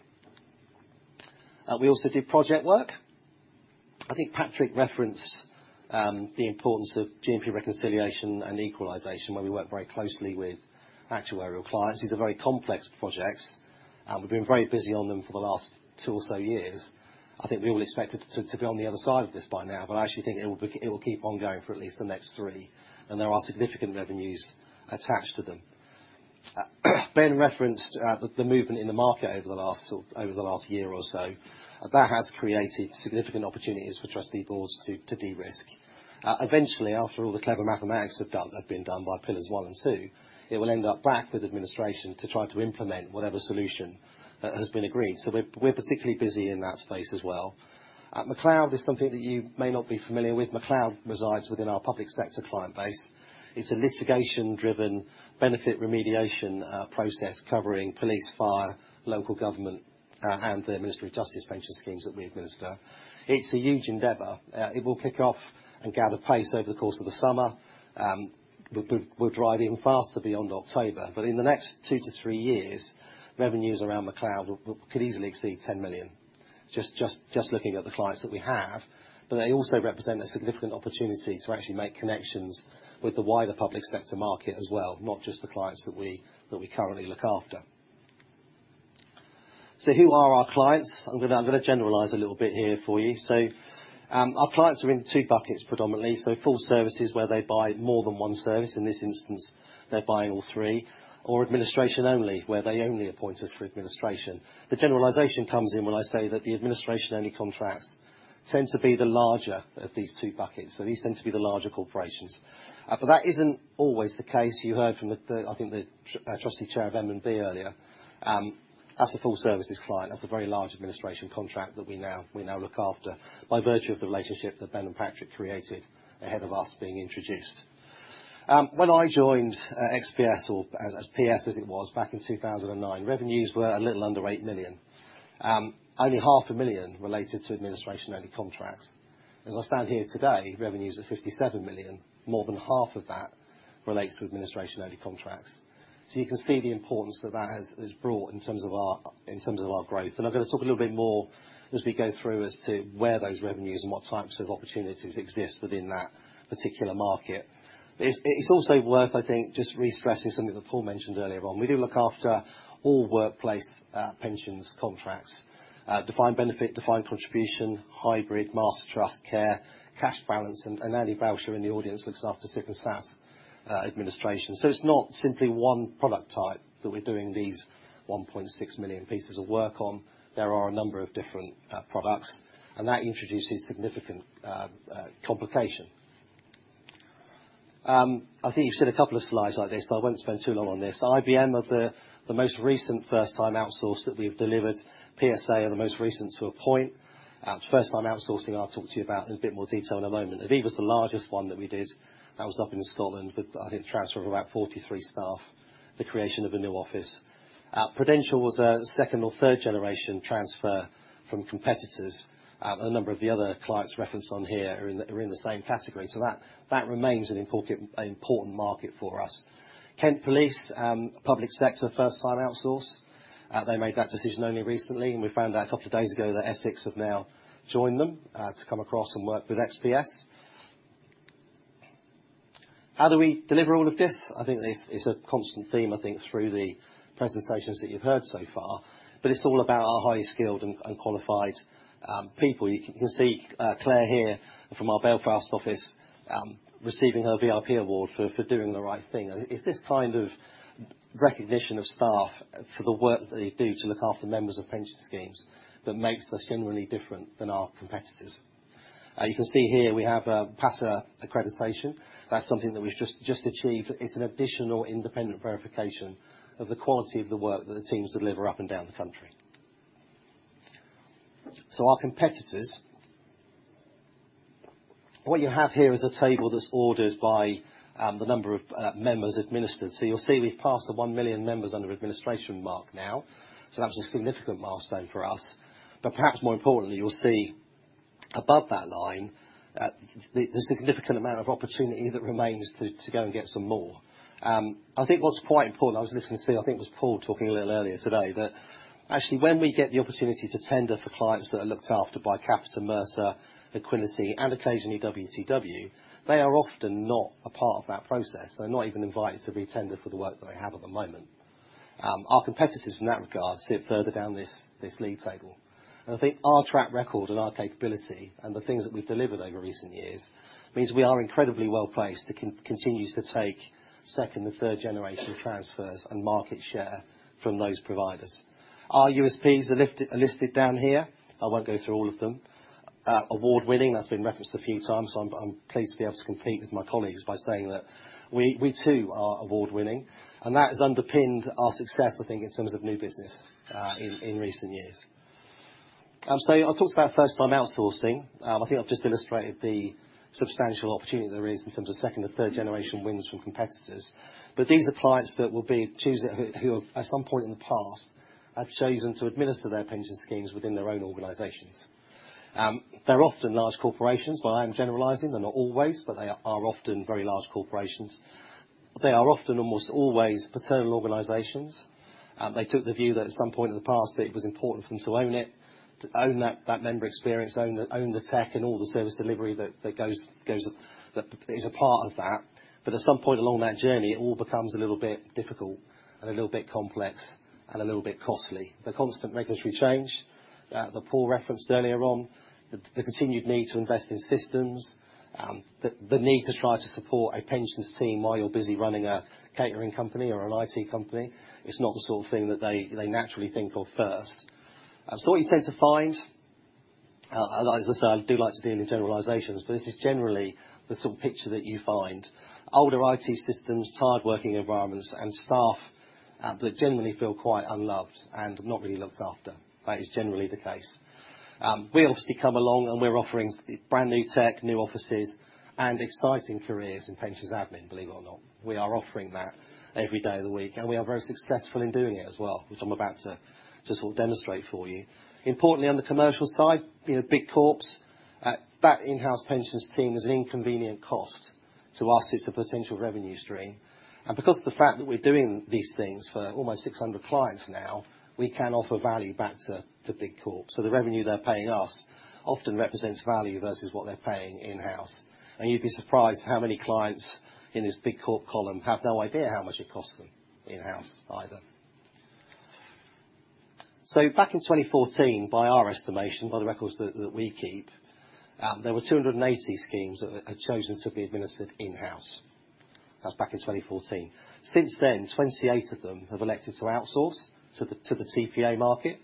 We also do project work. I think Patrick referenced the importance of GMP reconciliation and equalisation, where we work very closely with actuarial clients. These are very complex projects, and we've been very busy on them for the last two or so years. I think we all expected to be on the other side of this by now, but I actually think it will keep on going for at least the next three, and there are significant revenues attached to them. Ben referenced the movement in the market over the last sort of, over the last year or so. That has created significant opportunities for trustee boards to de-risk. Eventually, after all the clever mathematics have been done by pillars one and two, it will end up back with administration to try to implement whatever solution has been agreed. We're particularly busy in that space as well. McCloud is something that you may not be familiar with. McCloud resides within our public sector client base. It's a litigation-driven benefit remediation process covering police, fire, local government, and the Ministry of Justice pension schemes that we administer. It's a huge endeavor. It will kick off and gather pace over the course of the summer. We'll drive even faster beyond October. In the next two to three years, revenues around McCloud could easily exceed 10 million, just looking at the clients that we have. They also represent a significant opportunity to actually make connections with the wider public sector market as well, not just the clients that we currently look after. Who are our clients? I'm gonna generalize a little bit here for you. Our clients are in 2 buckets predominantly. Full services, where they buy more than one service. In this instance, they're buying all three. Or administration only, where they only appoint us for administration. The generalization comes in when I say that the administration-only contracts tend to be the larger of these two buckets. These tend to be the larger corporations. That isn't always the case. You heard from the trustee chair of M&B earlier. That's a full services client. That's a very large administration contract that we now look after by virtue of the relationship that Ben and Patrick created ahead of us being introduced. When I joined XPS or as PS as it was back in 2009, revenues were a little under 8 million. Only half a million related to administration-only contracts. As I stand here today, revenues are 57 million. More than half of that relates to administration-only contracts. You can see the importance that that has brought in terms of our growth. I'm gonna talk a little bit more as we go through as to where those revenues and what types of opportunities exist within that particular market. It's also worth, I think, just re-stressing something that Paul mentioned earlier on. We do look after all workplace pensions contracts. Defined benefit, defined contribution, hybrid, master trust, care, cash balance, and Annie Boucher in the audience looks after SIP and SSAS administration. It's not simply one product type that we're doing these 1.6 million pieces of work on. There are a number of different products, and that introduces significant complication. I think you've seen a couple of slides like this, I won't spend too long on this. IBM are the most recent first time outsource that we've delivered. PSA are the most recent to a point. First time outsourcing, I'll talk to you about in a bit more detail in a moment. Aviva's the largest one that we did. That was up in Scotland with, I think, transfer of about 43 staff, the creation of a new office. Prudential was a second or third generation transfer from competitors. A number of the other clients referenced on here, they're in the same category, so that remains an important market for us. Kent Police, a public sector first time outsource. They made that decision only recently, and we found out a couple of days ago that Essex have now joined them to come across and work with XPS. How do we deliver all of this? I think this is a constant theme, through the presentations that you've heard so far, but it's all about our highly skilled and qualified people. You can see Claire here from our Belfast office, receiving her VIP award for doing the right thing. It's this kind of recognition of staff for the work that they do to look after members of pension schemes that makes us generally different than our competitors. You can see here we have a PASA accreditation. That's something that we've just achieved. It's an additional independent verification of the quality of the work that the teams deliver up and down the country. Our competitors, what you have here is a table that's ordered by the number of members administered. You'll see we've passed the 1 million members under administration mark now. That's a significant milestone for us. Perhaps more importantly, you'll see above that line, the significant amount of opportunity that remains to go and get some more. I think what's quite important, I was listening to, I think it was Paul talking a little earlier today, that actually when we get the opportunity to tender for clients that are looked after by Capita, Mercer, Equiniti, and occasionally WTW, they are often not a part of that process. They're not even invited to re-tender for the work that they have at the moment. Our competitors in that regard sit further down this league table. I think our track record and our capability and the things that we've delivered over recent years means we are incredibly well-placed to continue to take second and third generation transfers and market share from those providers. Our USPs are lifted, are listed down here. I won't go through all of them. Award-winning, that's been referenced a few times. I'm pleased to be able to compete with my colleagues by saying that we too are award-winning. That has underpinned our success, I think, in terms of new business, in recent years. I talked about first-time outsourcing. I think I've just illustrated the substantial opportunity there is in terms of second or third generation wins from competitors. These are clients that will be choosing who at some point in the past have chosen to administer their pension schemes within their own organizations. They're often large corporations, but I am generalizing. They're not always, but they are often very large corporations. They are often almost always paternal organizations. They took the view that at some point in the past that it was important for them to own it, to own that member experience, own the tech and all the service delivery that goes with... that is a part of that. At some point along that journey, it all becomes a little bit difficult and a little bit complex and a little bit costly. The constant regulatory change that Paul referenced earlier on, the continued need to invest in systems, the need to try to support a pensions team while you're busy running a catering company or an IT company, it's not the sort of thing that they naturally think of first. What you tend to find, and, as I say, I do like to lean into generalizations, but this is generally the sort of picture that you find. Older IT systems, tired working environments, and staff that generally feel quite unloved and not really looked after. That is generally the case. We obviously come along, and we're offering brand-new tech, new offices, and exciting careers in pensions admin, believe it or not. We are offering that every day of the week, and we are very successful in doing it as well, which I'm about to sort of demonstrate for you. Importantly, on the commercial side, you know, big corps, that in-house pensions team is an inconvenient cost. To us, it's a potential revenue stream. Because of the fact that we're doing these things for almost 600 clients now, we can offer value back to big corps. The revenue they're paying us often represents value versus what they're paying in-house. You'd be surprised how many clients in this big corp column have no idea how much it costs them in-house either. Back in 2014, by our estimation, by the records that we keep, there were 280 schemes that had chosen to be administered in-house. That was back in 2014. Since then, 28 of them have elected to outsource to the TPA market.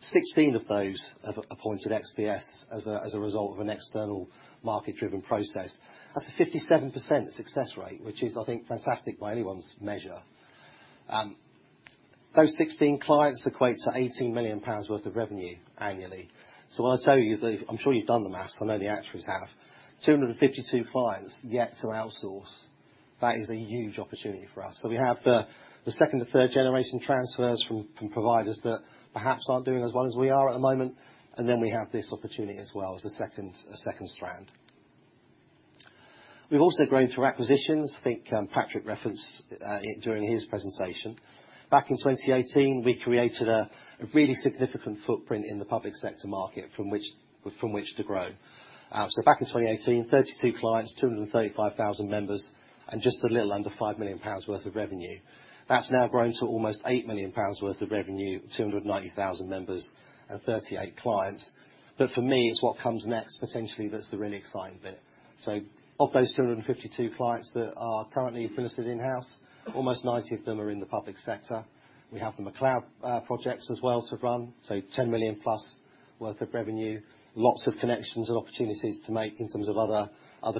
16 of those have appointed XPS as a result of an external market-driven process. That's a 57% success rate, which is, I think, fantastic by anyone's measure. Those 16 clients equates to 80 million pounds worth of revenue annually. When I tell you I'm sure you've done the math, I know the actuaries have. 252 clients yet to outsource. That is a huge opportunity for us. We have the second to third generation transfers from providers that perhaps aren't doing as well as we are at the moment, and then we have this opportunity as well as a second strand. We've also grown through acquisitions. I think Patrick referenced it during his presentation. Back in 2018, we created a really significant footprint in the public sector market from which to grow. Back in 2018, 32 clients, 235,000 members, and just a little under 5 million pounds worth of revenue. That's now grown to almost 8 million pounds worth of revenue, 290,000 members, and 38 clients. For me, it's what comes next, potentially, that's the really exciting bit. Of those 252 clients that are currently administered in-house, almost 90 of them are in the public sector. We have the McCloud projects as well to run, so 10 million+ worth of revenue. Lots of connections and opportunities to make in terms of other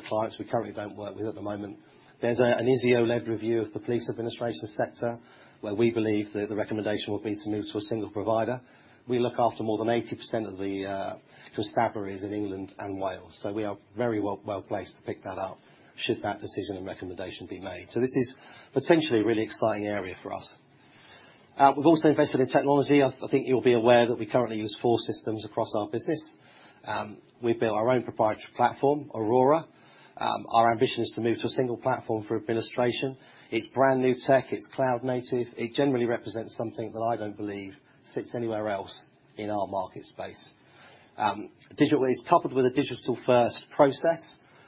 clients we currently don't work with at the moment. There's an HO-led review of the police administration sector, where we believe the recommendation will be to move to a single provider. We look after more than 80% of the constabularies in England and Wales, so we are very well-placed to pick that up should that decision and recommendation be made. This is potentially a really exciting area for us. We've also invested in technology. I think you'll be aware that we currently use four systems across our business. We built our own proprietary platform, Aurora. Our ambition is to move to a single platform for administration. It's brand new tech, it's cloud native. It generally represents something that I don't believe sits anywhere else in our market space. Digitally, it's coupled with a digital first process,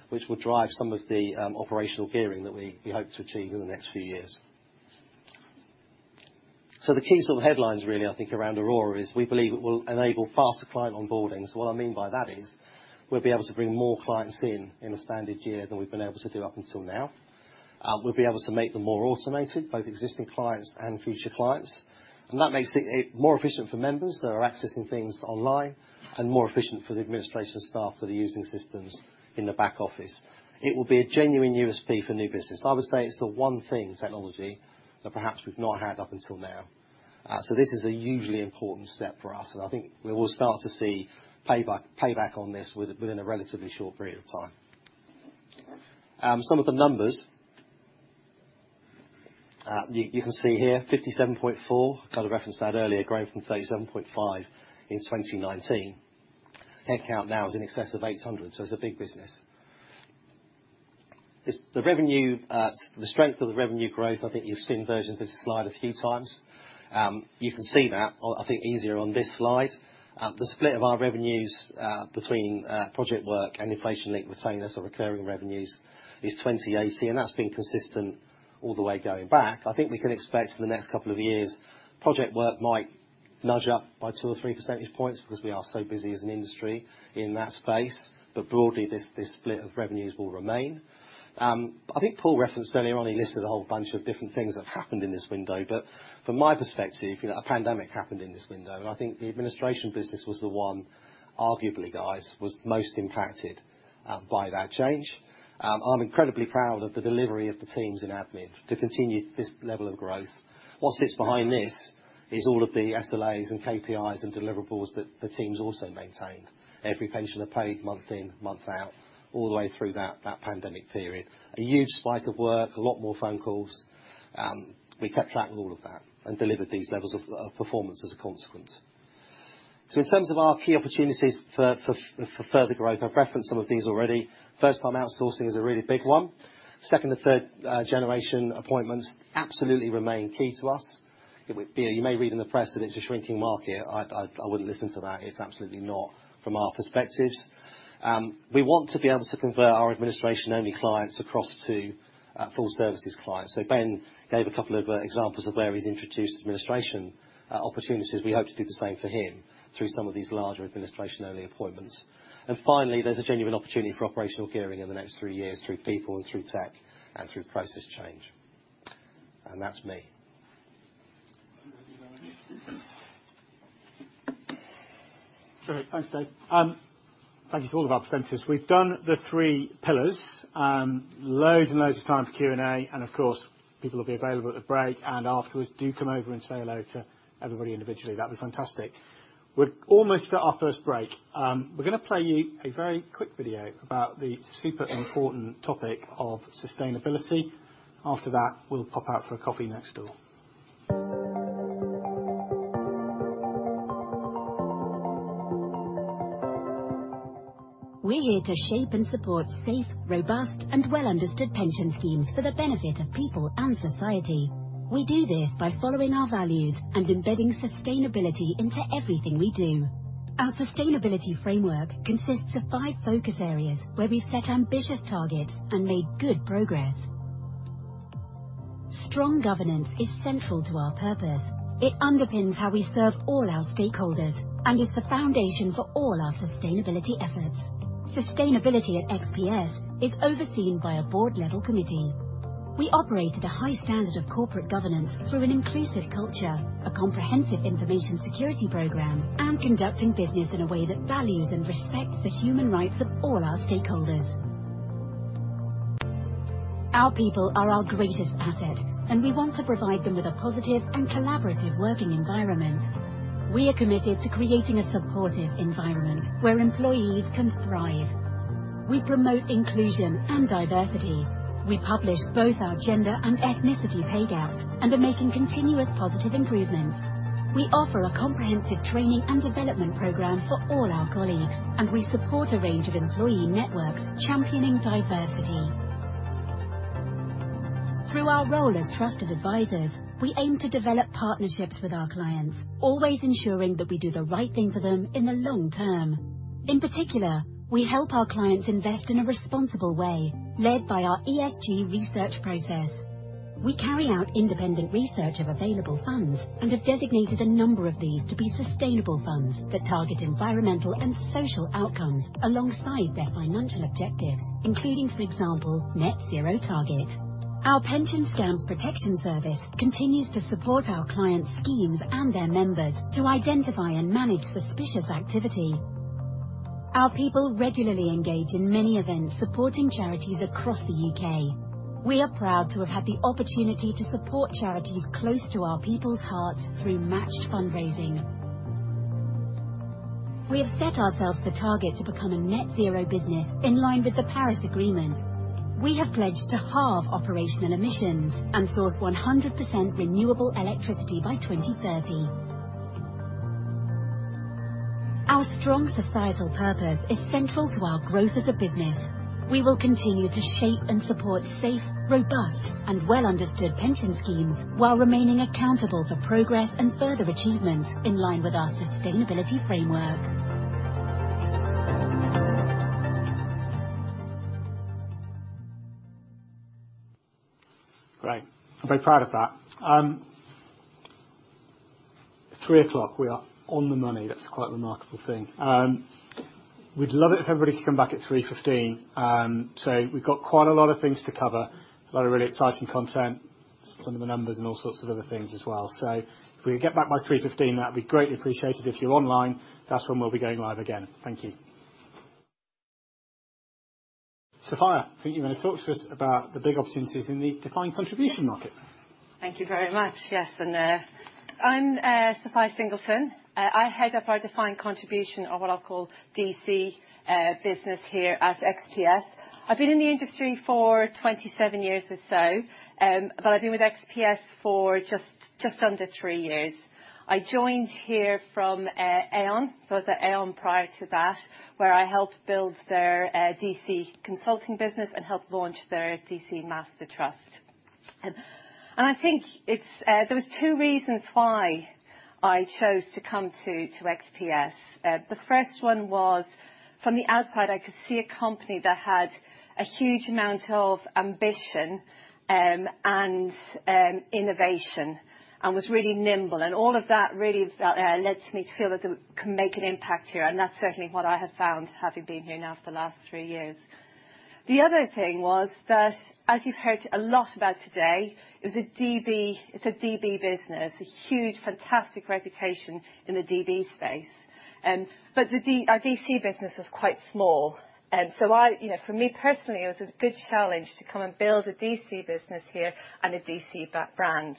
which will drive some of the operational gearing that we hope to achieve in the next few years. The key sort of headlines really I think around Aurora is we believe it will enable faster client onboarding. What I mean by that is we'll be able to bring more clients in in a standard year than we've been able to do up until now. We'll be able to make them more automated, both existing clients and future clients. That makes it more efficient for members that are accessing things online and more efficient for the administration staff that are using systems in the back office. It will be a genuine USP for new business. I would say it's the one thing technology that perhaps we've not had up until now. This is a hugely important step for us, and I think we will start to see payback on this within a relatively short period of time. Some of the numbers. You can see here, 57.4, kind of referenced that earlier, growing from 37.5 in 2019. Headcount now is in excess of 800, so it's a big business. The strength of the revenue growth, I think you've seen versions of this slide a few times. You can see that I think easier on this slide. The split of our revenues between project work and inflation link retainers or recurring revenues is 20/80, and that's been consistent all the way going back. I think we can expect in the next couple of years, project work might nudge up by 2 or 3 percentage points because we are so busy as an industry in that space. Broadly, this split of revenues will remain. I think Paul referenced earlier on, he listed a whole bunch of different things that have happened in this window. From my perspective, you know, a pandemic happened in this window. I think the Administration business was the one, arguably, guys, was most impacted by that change. I'm incredibly proud of the delivery of the teams in Admin to continue this level of growth. What sits behind this is all of the SLAs and KPIs and deliverables that the teams also maintained. Every pensioner paid month in, month out, all the way through that pandemic period. A huge spike of work, a lot more phone calls. We kept track with all of that and delivered these levels of performance as a consequence. In terms of our key opportunities for further growth, I've referenced some of these already. First time outsourcing is a really big one. Second to third generation appointments absolutely remain key to us. You may read in the press that it's a shrinking market. I wouldn't listen to that. It's absolutely not from our perspective. We want to be able to convert our administration-only clients across to full services clients. Ben gave a couple of examples of where he's introduced administration opportunities. We hope to do the same for him through some of these larger administration-only appointments. Finally, there's a genuine opportunity for operational gearing in the next three years through people and through tech and through process change. That's me.
Great. Thanks, Dave. Thank you to all of our presenters. We've done the 3 pillars. Loads and loads of time for Q&A, and of course, people will be available at the break and afterwards. Do come over and say hello to everybody individually. That was fantastic. We're almost at our first break. We're gonna play you a very quick video about the super important topic of sustainability. After that, we'll pop out for a coffee next door.
We're here to shape and support safe, robust, and well understood pension schemes for the benefit of people and society. We do this by following our values and embedding sustainability into everything we do. Our sustainability framework consists of five focus areas where we've set ambitious targets and made good progress. Strong governance is central to our purpose. It underpins how we serve all our stakeholders and is the foundation for all our sustainability efforts. Sustainability at XPS is overseen by a board-level committee. We operate at a high standard of corporate governance through an inclusive culture, a comprehensive information security program, and conducting business in a way that values and respects the human rights of all our stakeholders. Our people are our greatest asset, and we want to provide them with a positive and collaborative working environment. We are committed to creating a supportive environment where employees can thrive. We promote inclusion and diversity. We publish both our gender and ethnicity pay gaps and are making continuous positive improvements. We offer a comprehensive training and development program for all our colleagues, and we support a range of employee networks championing diversity. Through our role as trusted advisors, we aim to develop partnerships with our clients, always ensuring that we do the right thing for them in the long term. In particular, we help our clients invest in a responsible way, led by our ESG research process. We carry out independent research of available funds and have designated a number of these to be sustainable funds that target environmental and social outcomes alongside their financial objectives, including, for example, net zero target. Our Pension Scam Protection Service continues to support our clients' schemes and their members to identify and manage suspicious activity. Our people regularly engage in many events supporting charities across the UK. We are proud to have had the opportunity to support charities close to our people's hearts through matched fundraising. We have set ourselves the target to become a net zero business in line with the Paris Agreement. We have pledged to halve operational emissions and source 100% renewable electricity by 2030. Our strong societal purpose is central to our growth as a business. We will continue to shape and support safe, robust, and well-understood pension schemes while remaining accountable for progress and further achievements in line with our sustainability framework.
Great. I'm very proud of that. 3:00 P.M. We are on the money. That's a quite remarkable thing. We'd love it if everybody could come back at 3:15 P.M. We've got quite a lot of things to cover, a lot of really exciting content, some of the numbers and all sorts of other things as well. If we get back by 3:15 P.M., that'd be greatly appreciated. If you're online, that's when we'll be going live again. Thank you. Sophia, I think you're gonna talk to us about the big opportunities in the defined contribution market.
Thank you very much. Yes, I'm Sophia Singleton. I head up our defined contribution or what I'll call DC business here at XPS. I've been in the industry for 27 years or so, but I've been with XPS for just under three years. I joined here from Aon. I was at Aon prior to that, where I helped build their DC consulting business and helped launch their DC master trust. There was two reasons why I chose to come to XPS. The first one was from the outside I could see a company that had a huge amount of ambition, and innovation and was really nimble and all of that really led to me to feel as if I can make an impact here and that's certainly what I have found having been here now for the last three years. The other thing was that as you've heard a lot about today is It's a DB business, a huge fantastic reputation in the DB space. Our DC business was quite small. You know, for me personally it was a good challenge to come and build a DC business here and a DC brand.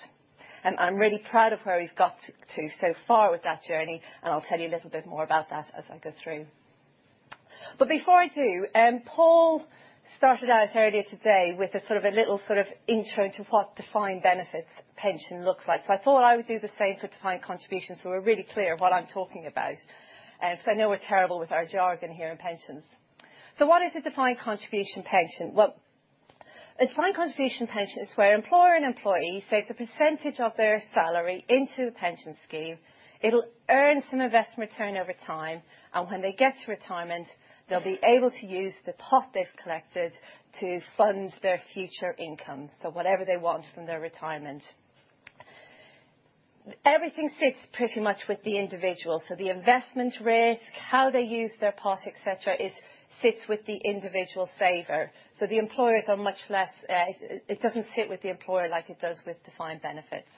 I'm really proud of where we've got to so far with that journey. I'll tell you a little bit more about that as I go through. Before I do, Paul started out earlier today with a sort of a little sort of intro into what defined benefits pension looks like. I thought I would do the same for defined contributions so we're really clear what I'm talking about. I know we're terrible with our jargon here in pensions. What is a defined contribution pension? Well, a defined contribution pension is where employer and employee saves a percentage of their salary into the pension scheme. It'll earn some investment return over time. When they get to retirement, they'll be able to use the pot they've collected to fund their future income. Whatever they want from their retirement. Everything fits pretty much with the individual. The investment risk, how they use their pot, et cetera, sits with the individual saver. The employers are much less... it doesn't sit with the employer like it does with defined benefits.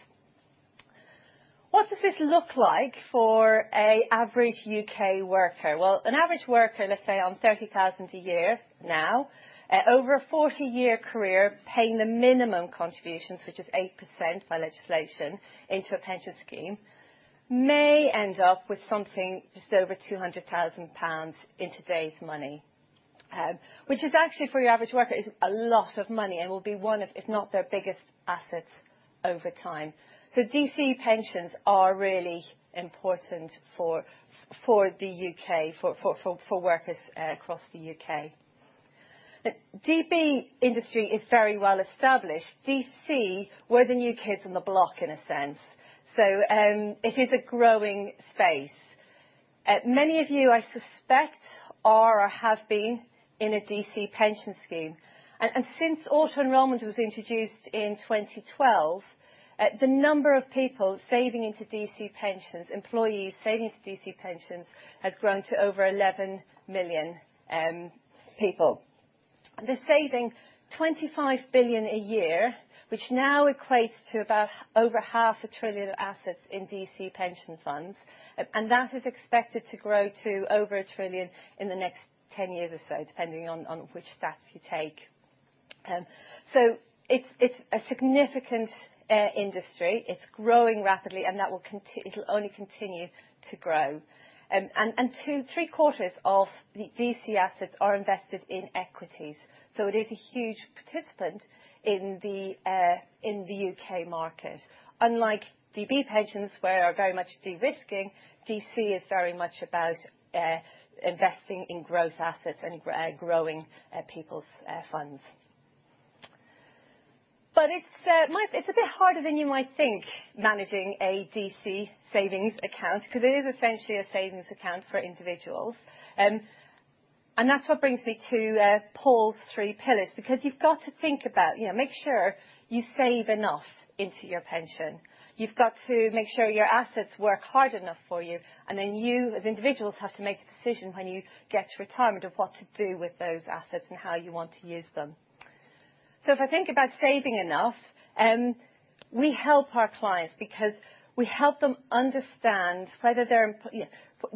What does this look like for an average U.K. worker? Well, an average worker let's say on 30,000 a year now, over a 40-year career paying the minimum contributions which is 8% by legislation into a pension scheme may end up with something just over 200,000 pounds in today's money. Which is actually for your average worker is a lot of money and will be one of if not their biggest assets over time. DC pensions are really important for the U.K. for workers across the U.K. DB industry is very well established. DC, we're the new kids on the block in a sense. It is a growing space. Many of you I suspect are or have been in a DC pension scheme. Since auto-enrolment was introduced in 2012, the number of people saving into DC pensions, employees saving to DC pensions, has grown to over 11 million people. They're saving 25 billion a year, which now equates to about over half a trillion assets in DC pension funds. That is expected to grow to over 1 trillion in the next 10 years or so, depending on which stats you take. It's a significant industry. It's growing rapidly, and that will it'll only continue to grow. Two, three-quarters of the DC assets are invested in equities, so it is a huge participant in the U.K. market. Unlike DB pensions, where are very much de-risking, DC is very much about investing in growth assets and growing people's funds. It's a bit harder than you might think managing a DC savings account because it is essentially a savings account for individuals. That's what brings me to Paul's three pillars because you've got to think about, you know, make sure you save enough into your pension. You've got to make sure your assets work hard enough for you, and then you as individuals have to make the decision when you get to retirement of what to do with those assets and how you want to use them. If I think about saving enough, we help our clients because we help them understand whether they're Yeah.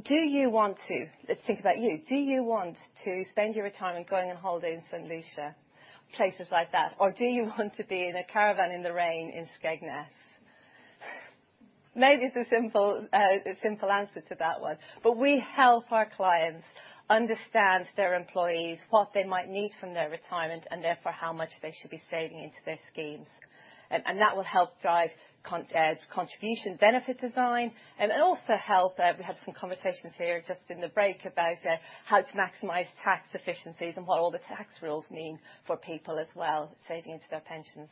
Do you want to Let's think about you. Do you want to spend your retirement going on holiday in St. Lucia, places like that? Do you want to be in a caravan in the rain in Skegness? Maybe it's a simple, a simple answer to that one, we help our clients understand their employees, what they might need from their retirement, and therefore how much they should be saving into their schemes. That will help drive contribution benefit design, and also help, we had some conversations here just in the break about, how to maximize tax efficiencies and what all the tax rules mean for people as well, saving into their pensions.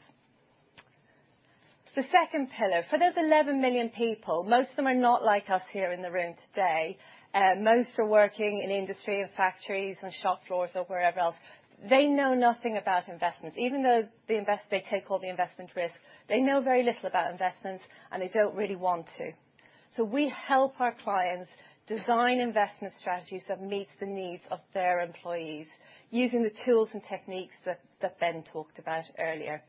The second pillar. For those 11 million people, most of them are not like us here in the room today. Most are working in industry, in factories, on shop floors or wherever else. They know nothing about investments. Even though they take all the investment risk, they know very little about investments, and they don't really want to. We help our clients design investment strategies that meet the needs of their employees using the tools and techniques that Ben talked about earlier.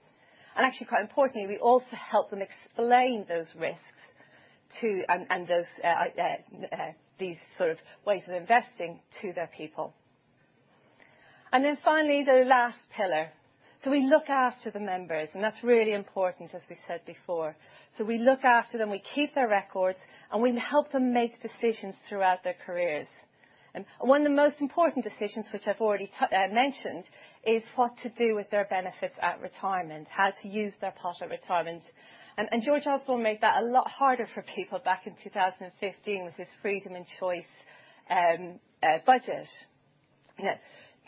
Actually, quite importantly, we also help them explain those risks to, and those these sort of ways of investing to their people. Finally, the last pillar. We look after the members, and that's really important, as we said before. We look after them, we keep their records, and we help them make decisions throughout their careers. One of the most important decisions, which I've already mentioned, is what to do with their benefits at retirement, how to use their pot at retirement. George Osborne made that a lot harder for people back in 2015 with his Freedom and Choice budget. You know,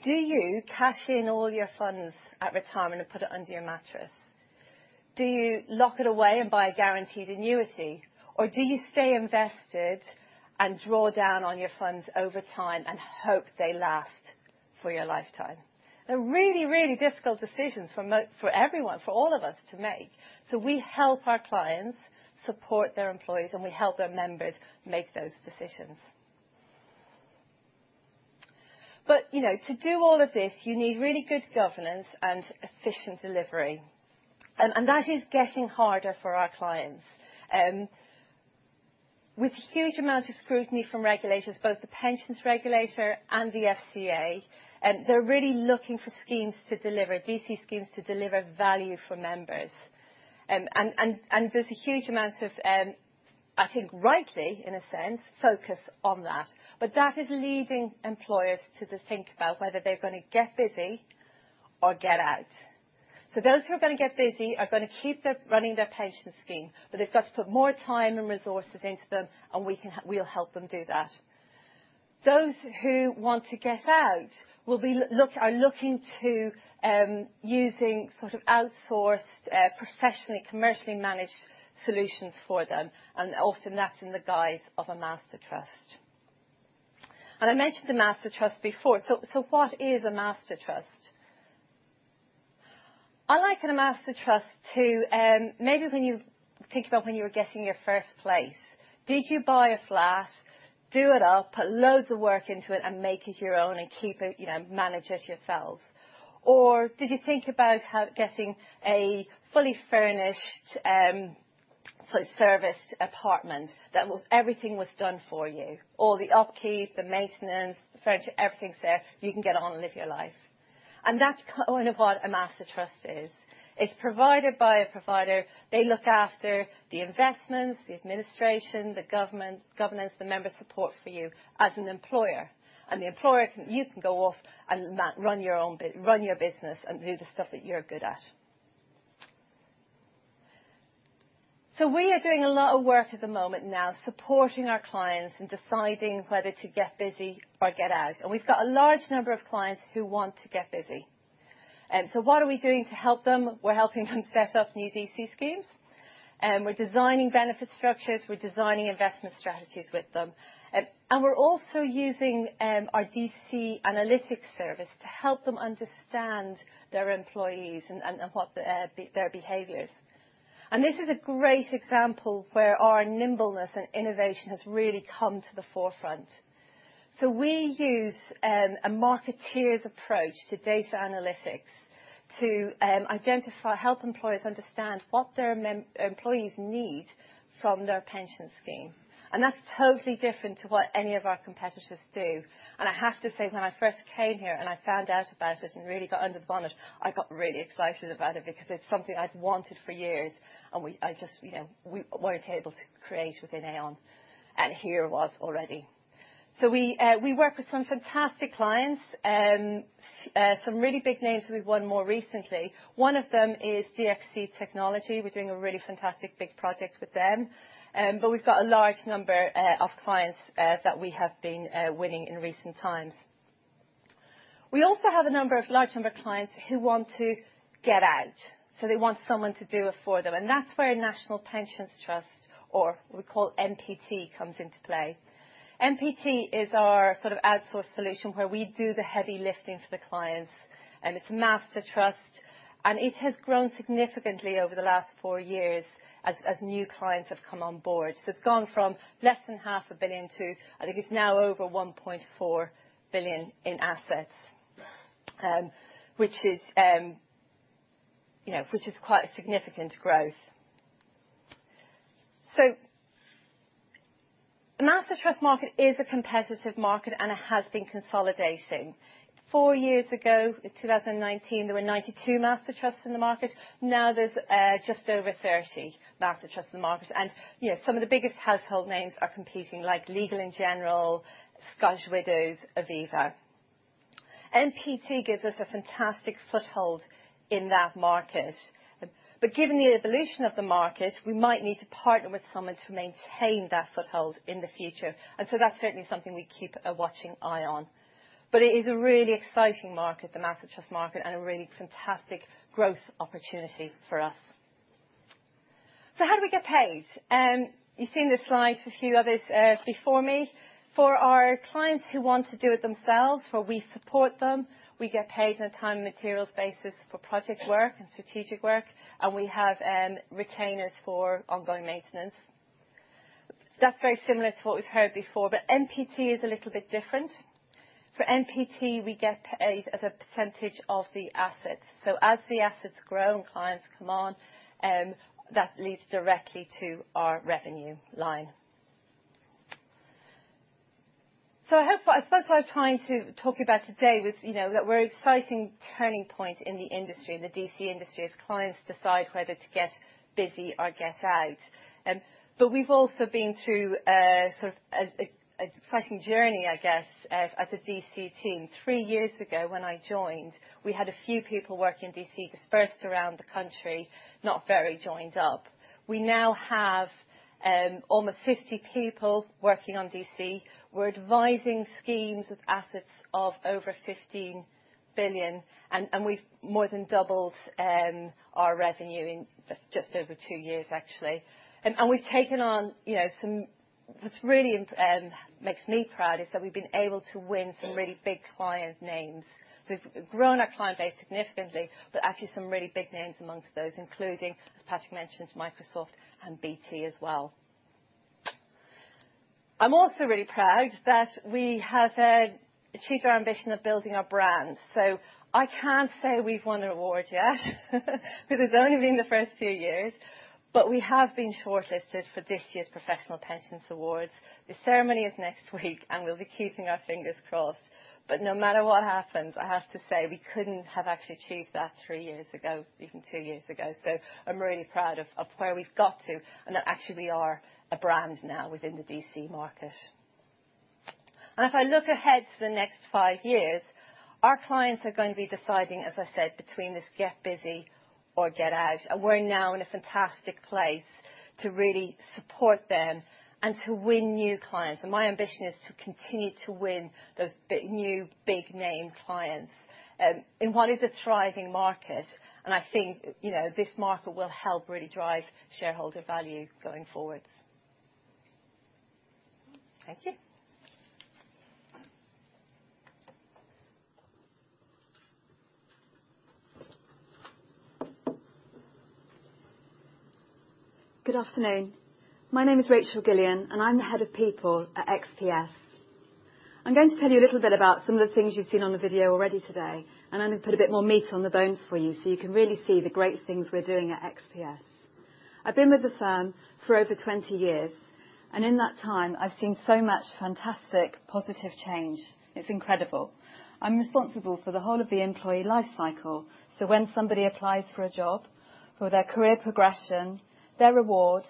do you cash in all your funds at retirement and put it under your mattress? Do you lock it away and buy a guaranteed annuity? Do you stay invested and draw down on your funds over time and hope they last for your lifetime? They're really difficult decisions for everyone, for all of us to make. We help our clients support their employees, and we help their members make those decisions. You know, to do all of this, you need really good governance and efficient delivery, and that is getting harder for our clients. With huge amount of scrutiny from regulators, both The Pensions Regulator and the FCA, they're really looking for schemes to deliver, DC schemes to deliver value for members. And there's a huge amount of, I think rightly in a sense, focus on that, but that is leaving employers to think about whether they're gonna get busy or get out. Those who are gonna get busy are gonna keep running their pension scheme, but they've got to put more time and resources into them, and we can help, we'll help them do that. Those who want to get out are looking to using sort of outsourced, professionally commercially managed solutions for them. Often that's in the guise of a master trust. I mentioned the master trust before. What is a master trust? I liken a master trust to maybe when you think about when you were getting your first place. Did you buy a flat, do it up, put loads of work into it, and make it your own and keep it, you know, manage it yourself? Or did you think about getting a fully furnished, sort of serviced apartment that was everything was done for you? All the upkeep, the maintenance, the furniture, everything's there. You can get on and live your life. That's kind of what a master trust is. It's provided by a provider. They look after the investments, the administration, governance, the member support for you as an employer. The employer can go off and run your business and do the stuff that you're good at. We are doing a lot of work at the moment now supporting our clients in deciding whether to get busy or get out, and we've got a large number of clients who want to get busy. What are we doing to help them? We're helping them set up new DC schemes, we're designing benefit structures, we're designing investment strategies with them. We're also using our DC Analytics service to help them understand their employees and what their behaviors. This is a great example where our nimbleness and innovation has really come to the forefront. We use a marketeer's approach to data analytics to help employers understand what their employees need from their pension scheme. That's totally different to what any of our competitors do. I have to say, when I first came here, and I found out about it and really got under the bonnet, I got really excited about it because it's something I'd wanted for years, I just, you know, we weren't able to create within Aon, and here it was already. We work with some fantastic clients. Some really big names we've won more recently. One of them is DXC Technology. We're doing a really fantastic big project with them. But we've got a large number of clients that we have been winning in recent times. We also have a large number of clients who want to get out. They want someone to do it for them. That's where National Pension Trust, or what we call NPT, comes into play. NPT is our sort of outsource solution where we do the heavy lifting for the clients, and it's a master trust. It has grown significantly over the last four years as new clients have come on board. It's gone from less than GBP half a billion to, I think it's now over 1.4 billion in assets, which is quite a significant growth. The master trust market is a competitive market, and it has been consolidating. Four years ago, in 2019, there were 92 master trusts in the market. Now there's just over 30 master trusts in the market. You know, some of the biggest household names are competing, like Legal & General, Scottish Widows, Aviva. NPT gives us a fantastic foothold in that market. Given the evolution of the market, we might need to partner with someone to maintain that foothold in the future. That's certainly something we keep a watching eye on. It is a really exciting market, the master trust market, and a really fantastic growth opportunity for us. How do we get paid? You've seen the slides, a few others before me. For our clients who want to do it themselves, where we support them, we get paid on a time and materials basis for project work and strategic work, and we have retainers for ongoing maintenance. That's very similar to what we've heard before, NPT is a little bit different. For NPT, we get paid as a percentage of the assets. As the assets grow and clients come on, that leads directly to our revenue line. I suppose what I was trying to talk about today was, you know, that we're at an exciting turning point in the industry, in the DC industry, as clients decide whether to get busy or get out. We've also been through sort of an exciting journey, I guess, as a DC team. Three years ago, when I joined, we had a few people working in DC dispersed around the country, not very joined up. We now have almost 50 people working on DC. We're advising schemes with assets of over 15 billion, and we've more than doubled our revenue in just over two years actually. We've taken on, you know, what's really makes me proud is that we've been able to win some really big client names. We've grown our client base significantly, but actually some really big names amongst those, including, as Patrick mentioned, Microsoft and BT as well. I'm also really proud that we have achieved our ambition of building our brand. I can't say we've won an award yet because it's only been the first few years, but we have been shortlisted for this year's Professional Pensions Awards. The ceremony is next week, and we'll be keeping our fingers crossed. No matter what happens, I have to say, we couldn't have actually achieved that three years ago, even two years ago. I'm really proud of where we've got to and that actually we are a brand now within the DC market. If I look ahead to the next five years, our clients are going to be deciding, as I said, between this get busy or get out. We're now in a fantastic place to really support them and to win new clients. My ambition is to continue to win those big, new big name clients, in what is a thriving market. I think, you know, this market will help really drive shareholder value going forward. Thank you.
Good afternoon. My name is Rachel Gillion, and I'm the Head of People at XPS. I'm going to tell you a little bit about some of the things you've seen on the video already today, and I'm going to put a bit more meat on the bones for you, so you can really see the great things we're doing at XPS. I've been with the firm for over 20 years, and in that time, I've seen so much fantastic, positive change. It's incredible. I'm responsible for the whole of the employee life cycle, so when somebody applies for a job, for their career progression, their reward,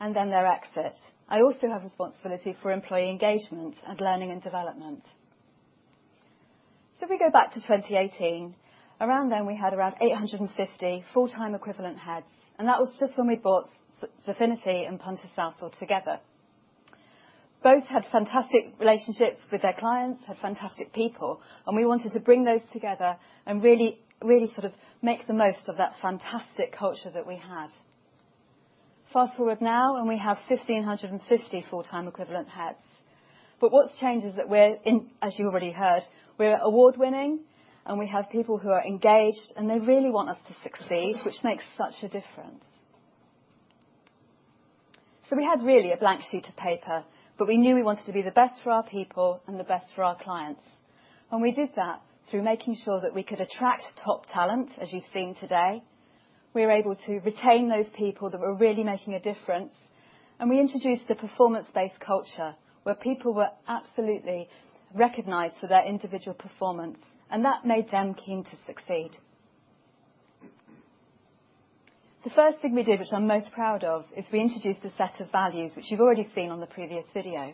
and then their exit. I also have responsibility for employee engagement and learning and development. If we go back to 2018, around then we had around 850 full-time equivalent heads, and that was just when we brought Xafinity and Punter Southall together. Both had fantastic relationships with their clients, had fantastic people, and we wanted to bring those together and really, really sort of make the most of that fantastic culture that we had. Fast-forward now, we have 1,550 full-time equivalent heads. What's changed is that as you already heard, we're award-winning, and we have people who are engaged, and they really want us to succeed, which makes such a difference. We had really a blank sheet of paper, but we knew we wanted to be the best for our people and the best for our clients. We did that through making sure that we could attract top talent, as you've seen today. We were able to retain those people that were really making a difference, and we introduced a performance-based culture where people were absolutely recognized for their individual performance, and that made them keen to succeed. The first thing we did, which I'm most proud of, is we introduced a set of values, which you've already seen on the previous video.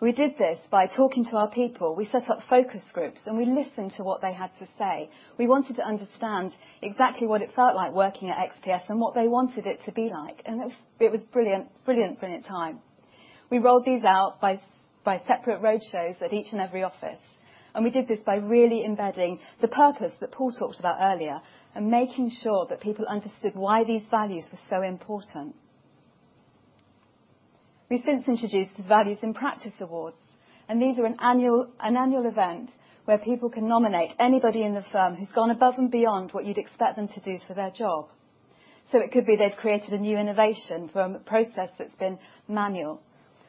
We did this by talking to our people. We set up focus groups, and we listened to what they had to say. We wanted to understand exactly what it felt like working at XPS and what they wanted it to be like, and it was, it was brilliant time. We rolled these out by separate roadshows at each and every office. We did this by really embedding the purpose that Paul talked about earlier and making sure that people understood why these values were so important. We've since introduced the Values in Practice awards. These are an annual event where people can nominate anybody in the firm who's gone above and beyond what you'd expect them to do for their job. It could be they've created a new innovation from a process that's been manual.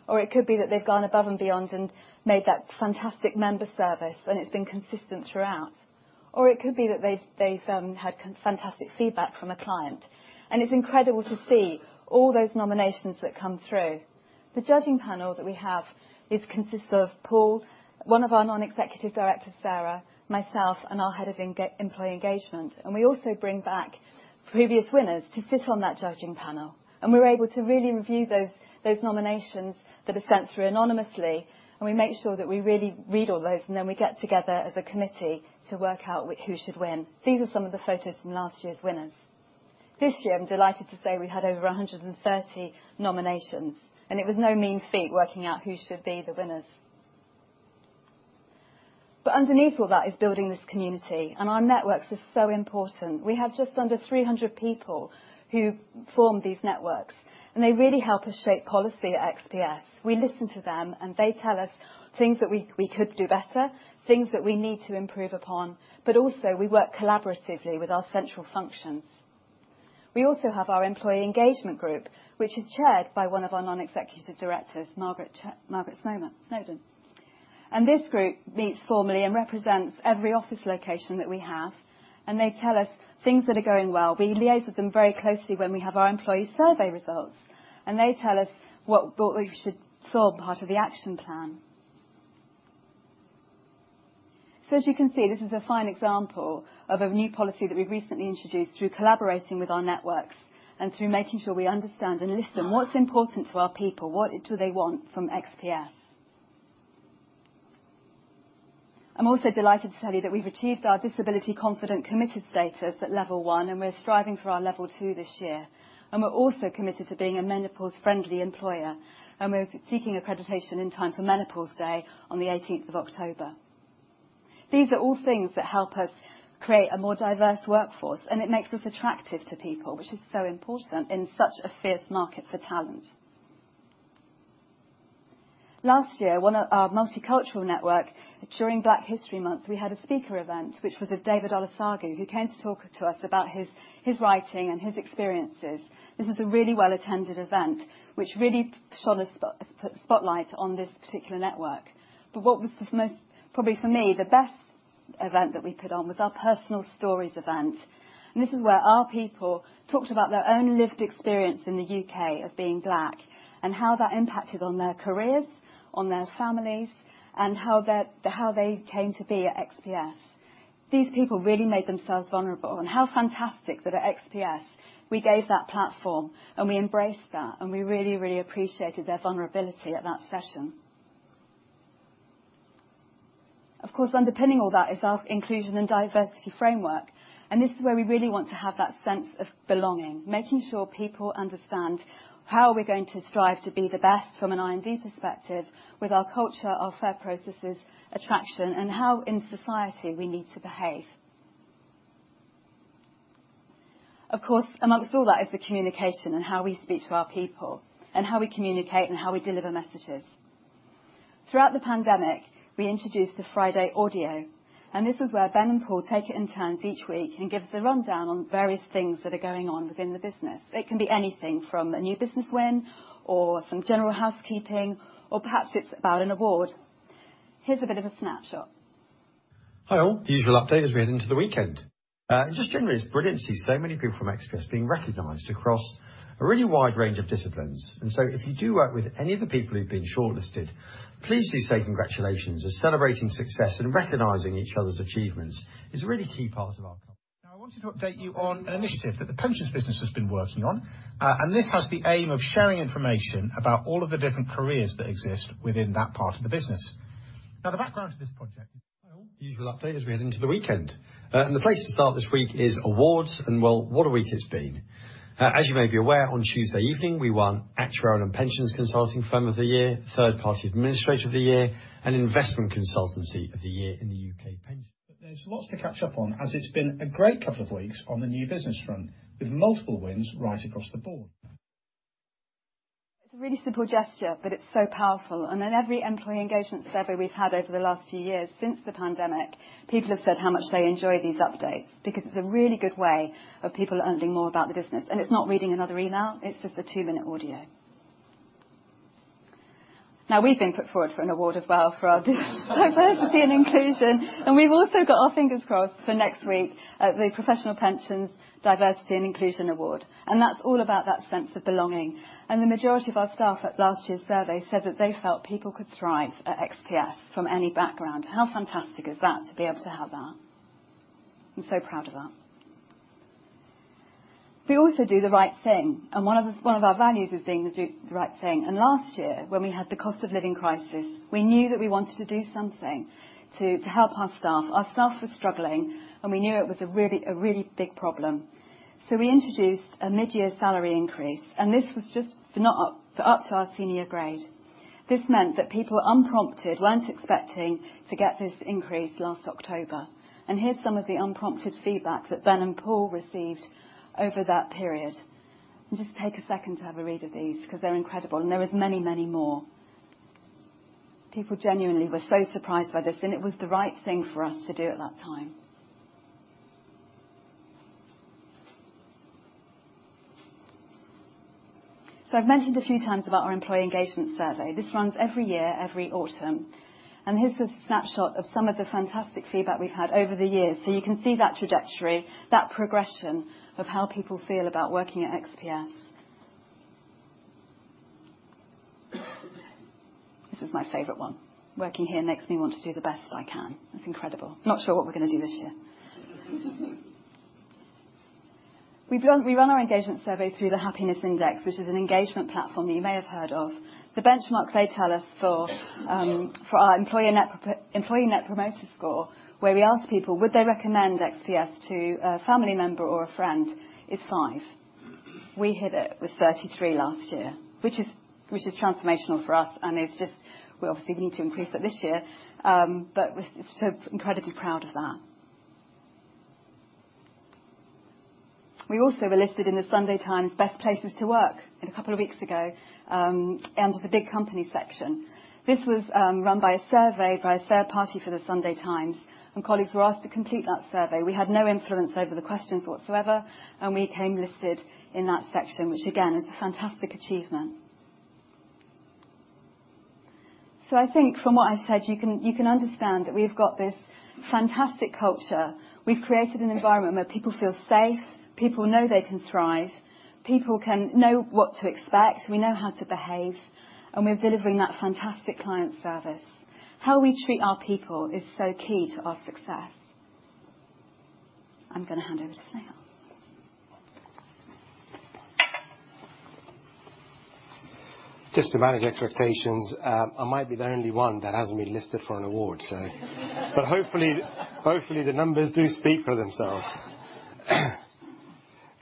It could be that they've gone above and beyond and made that fantastic member service and it's been consistent throughout. It could be that they've had fantastic feedback from a client. It's incredible to see all those nominations that come through. The judging panel that we have is consists of Paul, one of our non-executive directors, Sarah, myself, and our head of employee engagement. We also bring back previous winners to sit on that judging panel, and we're able to really review those nominations that are sent through anonymously, and we make sure that we really read all those, and then we get together as a committee to work out who should win. These are some of the photos from last year's winners. This year, I'm delighted to say we had over 130 nominations, and it was no mean feat working out who should be the winners. Underneath all that is building this community, and our networks are so important. We have just under 300 people who form these networks, and they really help us shape policy at XPS. We listen to them, and they tell us things that we could do better, things that we need to improve upon, but also we work collaboratively with our central functions. We also have our employee engagement group, which is chaired by one of our non-executive directors, Margaret Snowden. This group meets formally and represents every office location that we have, and they tell us things that are going well. We liaise with them very closely when we have our employee survey results, and they tell us what we should solve as part of the action plan. As you can see, this is a fine example of a new policy that we've recently introduced through collaborating with our networks and through making sure we understand and listen what's important to our people, what do they want from XPS. I'm also delighted to tell you that we've achieved our Disability Confident committed status at level 1. We're striving for our level two this year. We're also committed to being a menopause-friendly employer, and we're seeking accreditation in time for Menopause Day on the 18th of October. These are all things that help us create a more diverse workforce, and it makes us attractive to people, which is so important in such a fierce market for talent. Last year, one of our multicultural network, during Black History Month, we had a speaker event, which was a David Olusoga, who came to talk to us about his writing and his experiences. This was a really well-attended event which really put the spotlight on this particular network. What was the most, probably for me, the best event that we put on was our personal stories event. This is where our people talked about their own lived experience in the U.K. of being Black and how that impacted on their careers, on their families, and how they came to be at XPS. These people really made themselves vulnerable, and how fantastic that at XPS we gave that platform, and we embraced that, and we really appreciated their vulnerability at that session. Of course, underpinning all that is our inclusion and diversity framework, and this is where we really want to have that sense of belonging, making sure people understand how we're going to strive to be the best from an IND perspective with our culture, our fair processes, attraction, and how in society we need to behave. Of course, amongst all that is the communication and how we speak to our people and how we communicate and how we deliver messages. Throughout the pandemic, we introduced the Friday Audio. This is where Ben and Paul take it in turns each week and give us a rundown on various things that are going on within the business. It can be anything from a new business win or some general housekeeping, or perhaps it's about an award. Here's a bit of a snapshot.
Hi, all. The usual update as we head into the weekend. Just generally, it's brilliant to see so many people from XPS being recognized across a really wide range of disciplines. If you do work with any of the people who've been shortlisted, please do say congratulations. Celebrating success and recognizing each other's achievements is a really key part of our... I wanted to update you on an initiative that the pensions business has been working on, this has the aim of sharing information about all of the different careers that exist within that part of the business. The background to this project. Useful update as we head into the weekend. The place to start this week is awards, and well, what a week it's been. As you may be aware, on Tuesday evening, we won Actuary and Pensions Consulting Firm of the Year, Third Party Administrator of the Year, and Investment Consultancy of the Year in the UK Pensions Awards. There's lots to catch up on, as it's been a great couple of weeks on the new business front, with multiple wins right across the board.
It's a really simple gesture, but it's so powerful. In every employee engagement survey we've had over the last few years since the pandemic, people have said how much they enjoy these updates because it's a really good way of people learning more about the business. It's not reading another email, it's just a two-minute audio. We've been put forward for an award as well for our diversity and inclusion, and we've also got our fingers crossed for next week at the Professional Pensions Diversity and Inclusion Award. That's all about that sense of belonging. The majority of our staff at last year's survey said that they felt people could thrive at XPS from any background. How fantastic is that to be able to have that? I'm so proud of that. We also do the right thing, and one of... One of our values is doing the right thing. Last year, when we had the cost of living crisis, we knew that we wanted to do something to help our staff. Our staff were struggling, and we knew it was a really big problem. We introduced a mid-year salary increase, and this was just for up to our senior grade. This meant that people unprompted weren't expecting to get this increase last October. Here's some of the unprompted feedback that Ben and Paul received over that period. Just take a second to have a read of these because they're incredible, and there was many, many more. People genuinely were so surprised by this, and it was the right thing for us to do at that time. I've mentioned a few times about our employee engagement survey. This runs every year, every autumn. Here's a snapshot of some of the fantastic feedback we've had over the years. You can see that trajectory, that progression of how people feel about working at XPS. This is my favorite one. "Working here makes me want to do the best I can." It's incredible. Not sure what we're gonna do this year. We run our engagement survey through The Happiness Index, which is an engagement platform that you may have heard of. The benchmarks they tell us for our employee net promoter score, where we ask people, would they recommend XPS to a family member or a friend, is five. We hit it with 33 last year, which is transformational for us, and it's just, we obviously need to increase it this year, but we're still incredibly proud of that. We also were listed in The Sunday Times Best Places to Work a couple of weeks ago, and the big company section. This was run by a survey by a third party for The Sunday Times, and colleagues were asked to complete that survey. We had no influence over the questions whatsoever, and we came listed in that section, which again, is a fantastic achievement. I think from what I've said, you can understand that we've got this fantastic culture. We've created an environment where people feel safe, people know they can thrive, people can know what to expect. We know how to behave, and we're delivering that fantastic client service. How we treat our people is so key to our success. I'm gonna hand over to Snehal.
Just to manage expectations, I might be the only one that hasn't been listed for an award, hopefully the numbers do speak for themselves.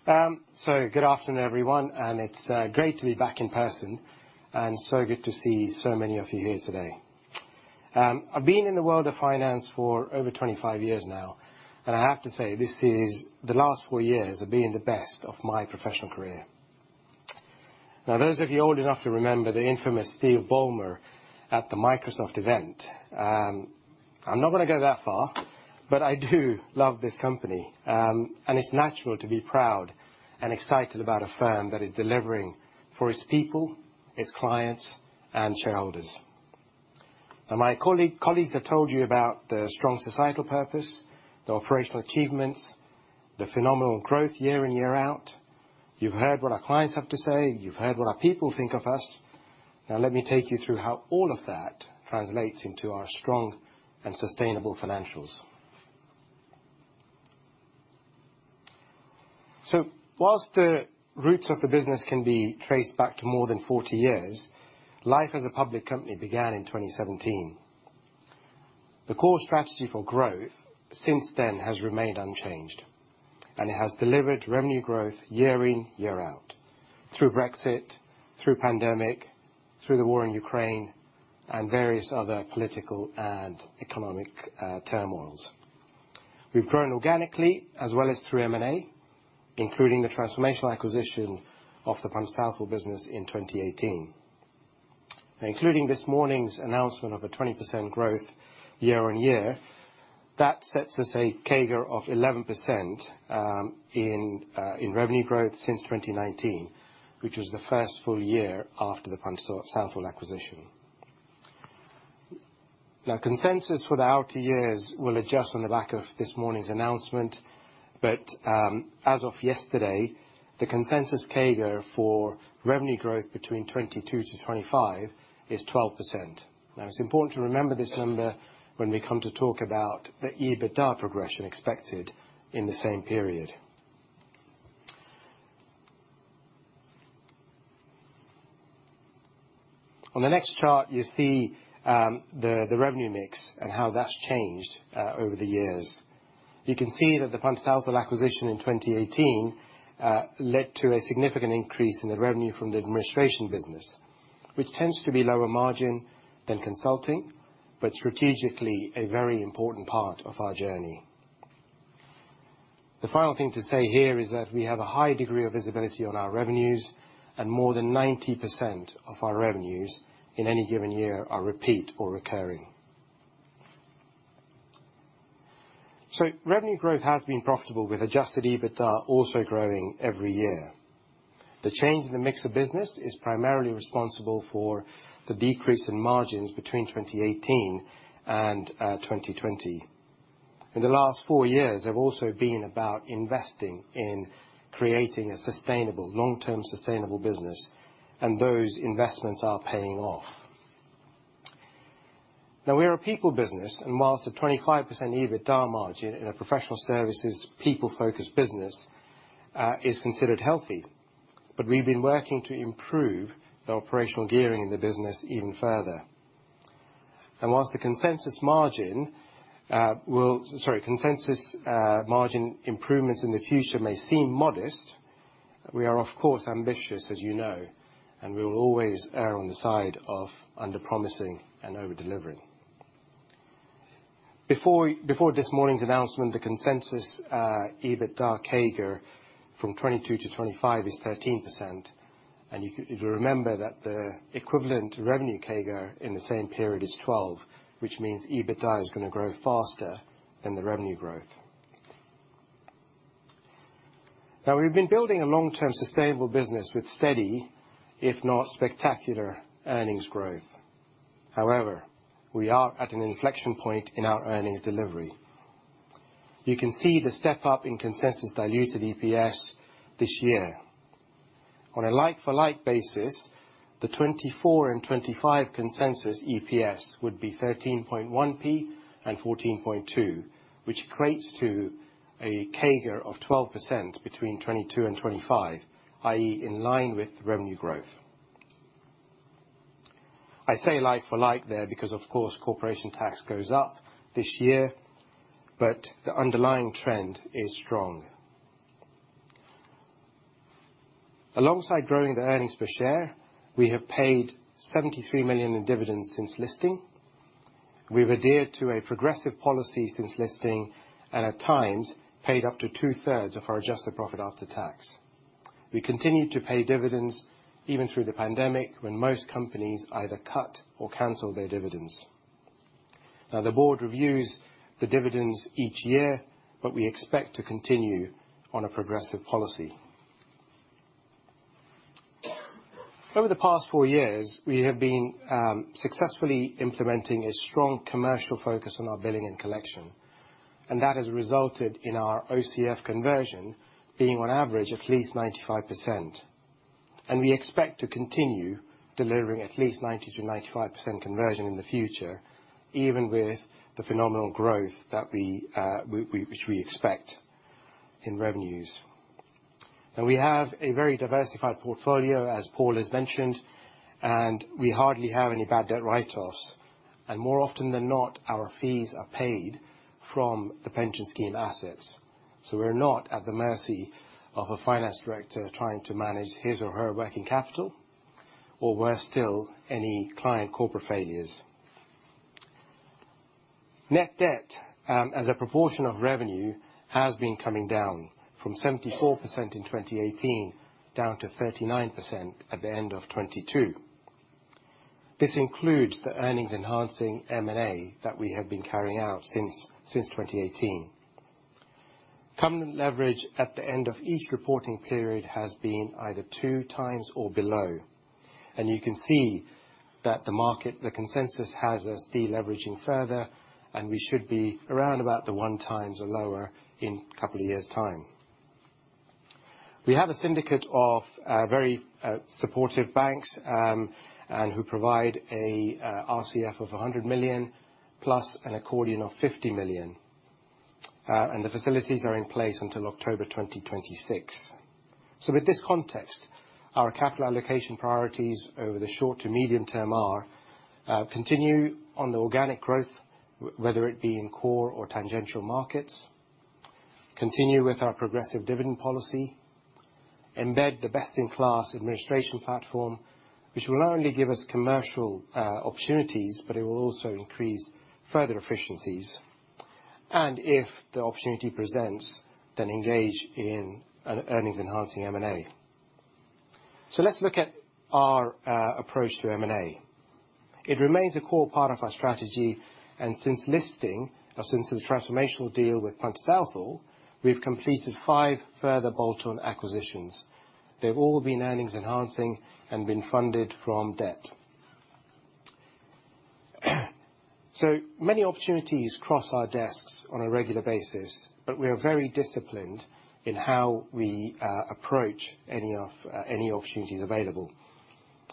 Good afternoon, everyone, and it's great to be back in person and so good to see so many of you here today. I've been in the world of finance for over 25 years now, and I have to say, the last 4 years have been the best of my professional career. Now, those of you old enough to remember the infamous Steve Ballmer at the Microsoft event, I'm not gonna go that far, but I do love this company. It's natural to be proud and excited about a firm that is delivering for its people, its clients, and shareholders. My colleagues have told you about the strong societal purpose, the operational achievements, the phenomenal growth year in, year out. You've heard what our clients have to say. You've heard what our people think of us. Let me take you through how all of that translates into our strong and sustainable financials. Whilst the roots of the business can be traced back to more than 40 years, life as a public company began in 2017. The core strategy for growth since then has remained unchanged, and it has delivered revenue growth year in, year out, through Brexit, through pandemic, through the war in Ukraine and various other political and economic turmoils. We've grown organically as well as through M&A, including the transformational acquisition of the Punter Southall business in 2018. Including this morning's announcement of a 20% growth year-on-year, that sets us a CAGR of 11%, in revenue growth since 2019, which was the first full year after the Punter Southall acquisition. Consensus for the outer years will adjust on the back of this morning's announcement, but, as of yesterday, the consensus CAGR for revenue growth between 2022-2025 is 12%. It's important to remember this number when we come to talk about the EBITDA progression expected in the same period. On the next chart, you see the revenue mix and how that's changed, over the years. You can see that the Punter Southall acquisition in 2018 led to a significant increase in the revenue from the administration business, which tends to be lower margin than consulting, strategically, a very important part of our journey. The final thing to say here is that we have a high degree of visibility on our revenues, more than 90% of our revenues in any given year are repeat or recurring. Revenue growth has been profitable with adjusted EBITDA also growing every year. The change in the mix of business is primarily responsible for the decrease in margins between 2018 and 2020. The last four years have also been about investing in creating a sustainable, long-term sustainable business, and those investments are paying off. We are a people business, and whilst a 25% EBITDA margin in a professional services, people-focused business is considered healthy, but we've been working to improve the operational gearing in the business even further. Whilst the consensus margin improvements in the future may seem modest, we are, of course, ambitious, as you know, and we will always err on the side of underpromising and over-delivering. Before this morning's announcement, the consensus EBITDA CAGR from 2022-2025 is 13%. If you remember that the equivalent revenue CAGR in the same period is 12, which means EBITDA is gonna grow faster than the revenue growth. We've been building a long-term sustainable business with steady, if not spectacular, earnings growth. However, we are at an inflection point in our earnings delivery. You can see the step-up in consensus diluted EPS this year. On a like for like basis, the 2024 and 2025 consensus EPS would be 13.1p and 14.2p, which equates to a CAGR of 12% between 2022 and 2025, i.e., in line with revenue growth. I say like for like there because, of course, corporation tax goes up this year, but the underlying trend is strong. Alongside growing the earnings per share, we have paid 73 million in dividends since listing. We've adhered to a progressive policy since listing, and at times paid up to two-thirds of our adjusted profit after tax. We continued to pay dividends even through the pandemic when most companies either cut or canceled their dividends. Now, the board reviews the dividends each year, but we expect to continue on a progressive policy. Over the past four years, we have been successfully implementing a strong commercial focus on our billing and collection, that has resulted in our OCF conversion being on average, at least 95%. We expect to continue delivering at least 90%-95% conversion in the future, even with the phenomenal growth that we expect in revenues. We have a very diversified portfolio, as Paul has mentioned, and we hardly have any bad debt write-offs. More often than not, our fees are paid from the pension scheme assets. We're not at the mercy of a finance director trying to manage his or her working capital, or worse still, any client corporate failures. Net debt, as a proportion of revenue, has been coming down from 74% in 2018 down to 39% at the end of 2022. This includes the earnings enhancing M&A that we have been carrying out since 2018. Covenant leverage at the end of each reporting period has been either two times or below. You can see that the market, the consensus has us deleveraging further, and we should be around about the 1 times or lower in a couple of years' time. We have a syndicate of very supportive banks, and who provide a RCF of 100 million plus an accordion of 50 million. The facilities are in place until October 2026. With this context, our capital allocation priorities over the short to medium term are, continue on the organic growth, whether it be in core or tangential markets, continue with our progressive dividend policy, embed the best-in-class administration platform, which will not only give us commercial opportunities, but it will also increase further efficiencies, and if the opportunity presents, then engage in an earnings enhancing M&A. Let's look at our approach to M&A. It remains a core part of our strategy. Since listing, or since the transformational deal with Punter Southall, we've completed five further bolt-on acquisitions. They've all been earnings enhancing and been funded from debt. Many opportunities cross our desks on a regular basis, but we are very disciplined in how we approach any opportunities available.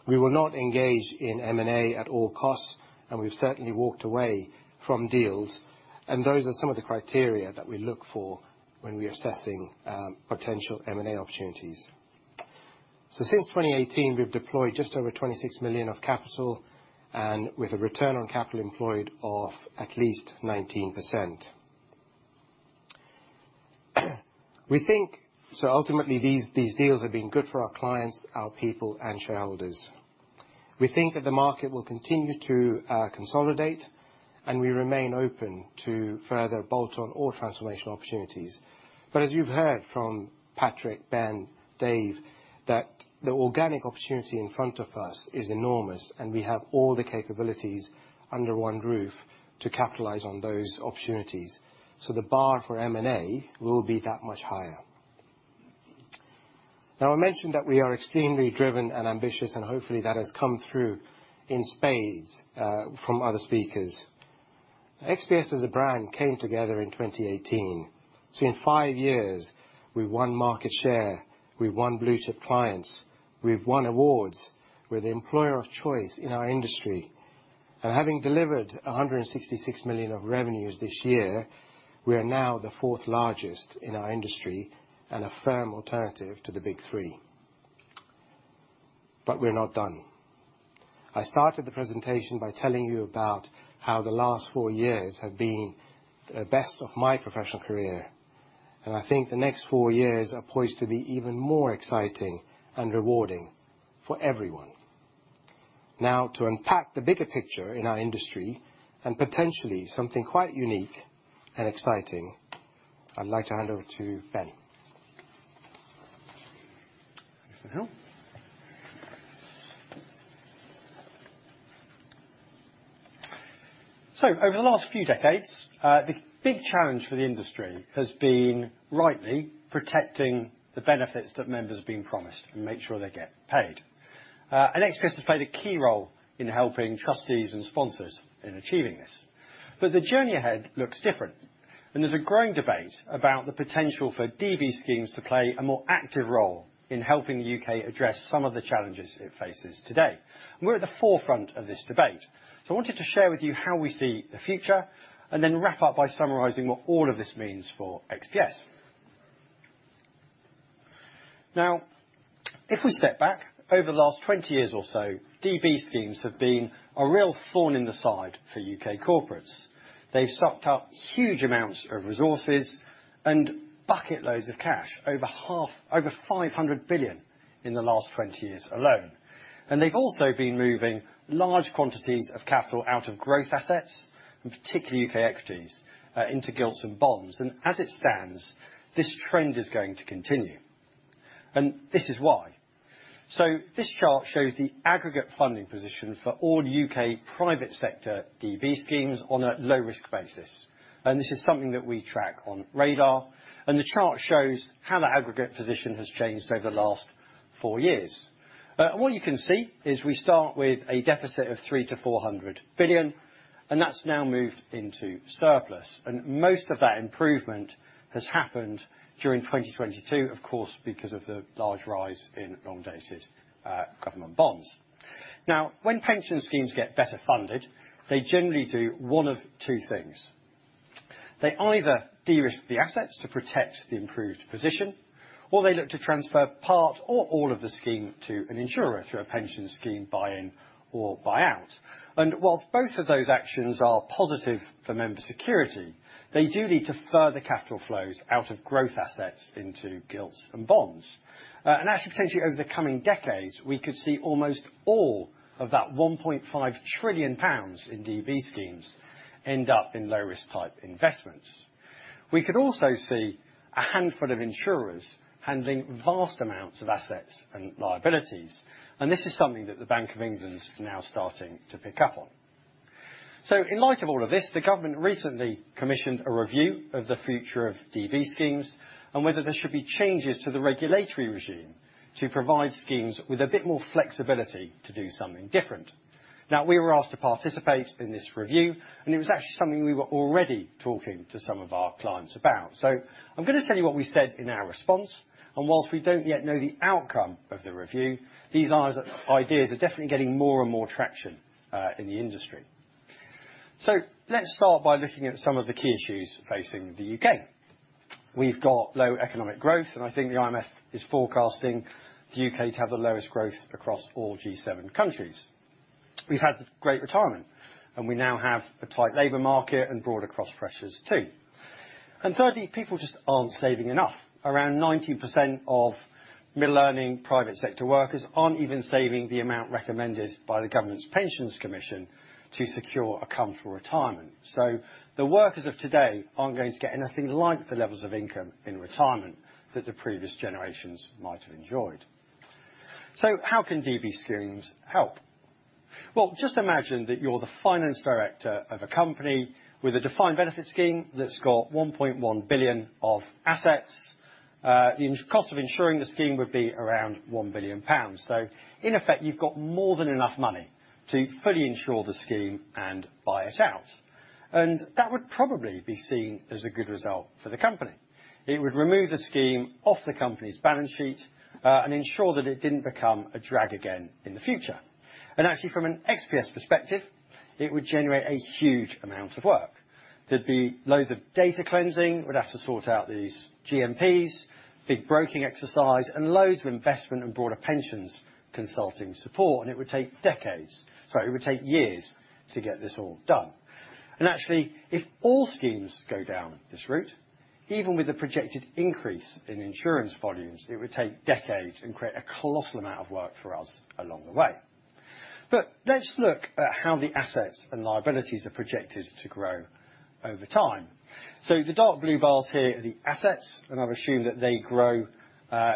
We will not engage in M&A at all costs, and we've certainly walked away from deals, and those are some of the criteria that we look for when we're assessing potential M&A opportunities. Since 2018, we've deployed just over 26 million of capital and with a return on capital employed of at least 19%. We think ultimately these deals have been good for our clients, our people and shareholders. We think that the market will continue to consolidate, and we remain open to further bolt-on or transformational opportunities. As you've heard from Patrick, Ben, Dave, the organic opportunity in front of us is enormous, and we have all the capabilities under one roof to capitalize on those opportunities. The bar for M&A will be that much higher. I mentioned that we are extremely driven and ambitious, and hopefully that has come through in spades from other speakers. XPS as a brand came together in 2018. In five years, we've won market share, we've won blue-chip clients, we've won awards, we're the employer of choice in our industry. Having delivered 166 million of revenues this year, we are now the fourth largest in our industry and a firm alternative to the big three. We're not done. I started the presentation by telling you about how the last four years have been the best of my professional career, and I think the next four years are poised to be even more exciting and rewarding for everyone. To unpack the bigger picture in our industry and potentially something quite unique and exciting, I'd like to hand over to Ben.
Thanks, Snehal. Over the last few decades, the big challenge for the industry has been rightly protecting the benefits that members have been promised and make sure they get paid. XPS has played a key role in helping trustees and sponsors in achieving this. The journey ahead looks different, and there's a growing debate about the potential for DB schemes to play a more active role in helping the U.K. address some of the challenges it faces today. We're at the forefront of this debate. I wanted to share with you how we see the future and then wrap up by summarizing what all of this means for XPS. Now, if we step back, over the last 20 years or so, DB schemes have been a real thorn in the side for U.K. corporates. They've sucked up huge amounts of resources and bucket loads of cash, over 500 billion in the last 20 years alone. They've also been moving large quantities of capital out of growth assets, and particularly U.K. equities, into gilts and bonds. As it stands, this trend is going to continue. This is why. This chart shows the aggregate funding position for all U.K. private sector DB schemes on a low-risk basis. This is something that we track on Radar, the chart shows how the aggregate position has changed over the last four years. What you can see is we start with a deficit of 300 billion-400 billion, that's now moved into surplus. Most of that improvement has happened during 2022, of course, because of the large rise in long-dated government bonds. When pension schemes get better funded, they generally do one of two things. They either de-risk the assets to protect the improved position, or they look to transfer part or all of the scheme to an insurer through a pension scheme buy-in or buyout. Whilst both of those actions are positive for member security, they do lead to further capital flows out of growth assets into gilts and bonds. Actually, potentially over the coming decades, we could see almost all of that 1.5 trillion pounds in DB schemes end up in low-risk type investments. We could also see a handful of insurers handling vast amounts of assets and liabilities, and this is something that the Bank of England's now starting to pick up on. In light of all of this, the government recently commissioned a review of the future of DB schemes and whether there should be changes to the regulatory regime to provide schemes with a bit more flexibility to do something different. Now, we were asked to participate in this review, and it was actually something we were already talking to some of our clients about. I'm gonna tell you what we said in our response, and whilst we don't yet know the outcome of the review, these ideas are definitely getting more and more traction in the industry. Let's start by looking at some of the key issues facing the U.K. We've got low economic growth, and I think the IMF is forecasting the U.K. to have the lowest growth across all G7 countries. We've had great retirement, we now have a tight labor market and broader cross-pressures too. Thirdly, people just aren't saving enough. Around 19% of middle-earning private sector workers aren't even saving the amount recommended by the Government's Pensions Commission to secure a comfortable retirement. The workers of today aren't going to get anything like the levels of income in retirement that the previous generations might have enjoyed. How can DB schemes help? Well, just imagine that you're the finance director of a company with a defined benefit scheme that's got 1.1 billion of assets. The cost of insuring the scheme would be around 1 billion pounds. In effect, you've got more than enough money to fully insure the scheme and buy it out. That would probably be seen as a good result for the company. It would remove the scheme off the company's balance sheet and ensure that it didn't become a drag again in the future. Actually, from an XPS perspective, it would generate a huge amount of work. There'd be loads of data cleansing. We'd have to sort out these GMPs, big broking exercise, and loads of investment and broader pensions consulting support, and it would take decades. Sorry, it would take years to get this all done. Actually, if all schemes go down this route, even with the projected increase in insurance volumes, it would take decades and create a colossal amount of work for us along the way. Let's look at how the assets and liabilities are projected to grow over time. The dark blue bars here are the assets, and I've assumed that they grow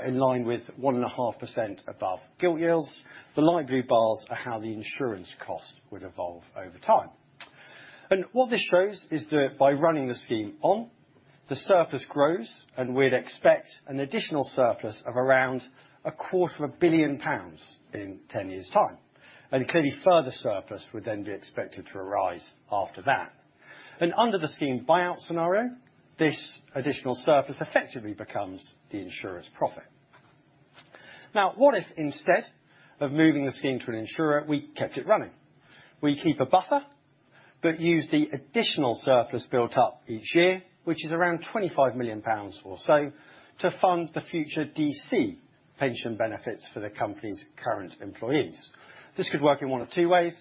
in line with 1.5% above gilt yields. The light blue bars are how the insurance cost would evolve over time. What this shows is that by running the scheme on, the surplus grows, and we'd expect an additional surplus of around a quarter of a billion GBP in 10 years' time. Clearly further surplus would then be expected to arise after that. Under the scheme buyout scenario, this additional surplus effectively becomes the insurer's profit. What if instead of moving the scheme to an insurer, we kept it running? We keep a buffer, but use the additional surplus built up each year, which is around 25 million pounds or so, to fund the future DC pension benefits for the company's current employees. This could work in one of two ways.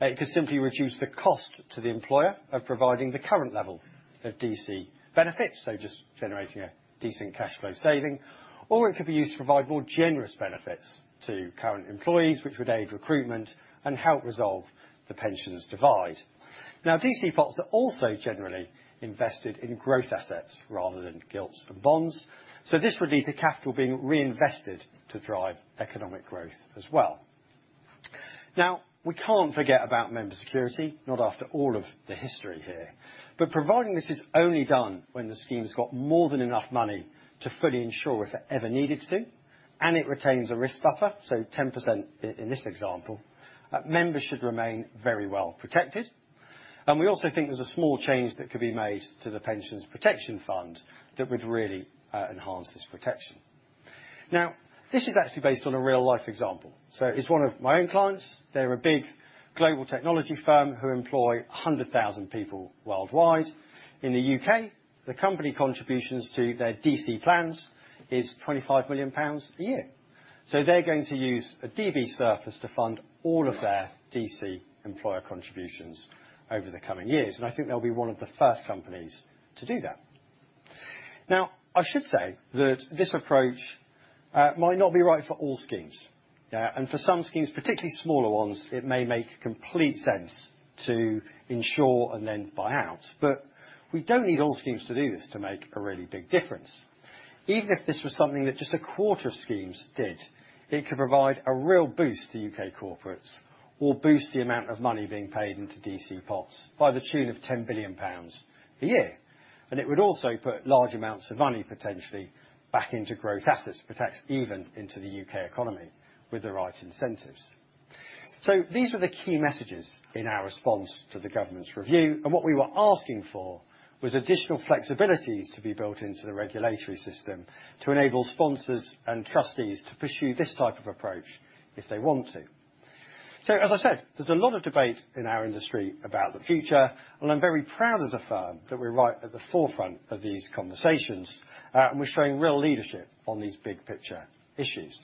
It could simply reduce the cost to the employer of providing the current level of DC benefits, just generating a decent cash flow saving. It could be used to provide more generous benefits to current employees, which would aid recruitment and help resolve the pensions divide. DC pots are also generally invested in growth assets rather than gilts and bonds, this would lead to capital being reinvested to drive economic growth as well. We can't forget about member security, not after all of the history here. Providing this is only done when the scheme's got more than enough money to fully insure if it ever needed to, and it retains a risk buffer, 10% in this example, members should remain very well protected. We also think there's a small change that could be made to the Pension Protection Fund that would really enhance this protection. This is actually based on a real-life example, so it's one of my own clients. They're a big global technology firm who employ 100,000 people worldwide. In the U.K., the company contributions to their DC plans is 25 million pounds a year. They're going to use a DB surplus to fund all of their DC employer contributions over the coming years, and I think they'll be one of the first companies to do that. I should say that this approach might not be right for all schemes. For some schemes, particularly smaller ones, it may make complete sense to insure and then buy out. We don't need all schemes to do this to make a really big difference. Even if this was something that just a quarter of schemes did, it could provide a real boost to U.K. corporates or boost the amount of money being paid into DC pots by the tune of 10 billion pounds a year. It would also put large amounts of money potentially back into growth assets, perhaps even into the U.K. economy with the right incentives. These are the key messages in our response to the government's review, and what we were asking for was additional flexibilities to be built into the regulatory system to enable sponsors and trustees to pursue this type of approach if they want to. As I said, there's a lot of debate in our industry about the future, and I'm very proud as a firm that we're right at the forefront of these conversations, and we're showing real leadership on these big picture issues.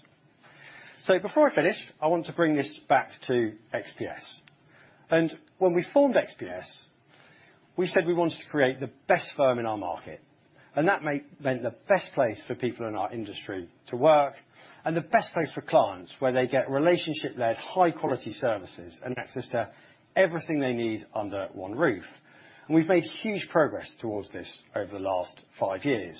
Before I finish, I want to bring this back to XPS. When we formed XPS, we said we wanted to create the best firm in our market, and that meant the best place for people in our industry to work and the best place for clients, where they get relationship-led, high-quality services and access to everything they need under one roof. We've made huge progress towards this over the last 5 years.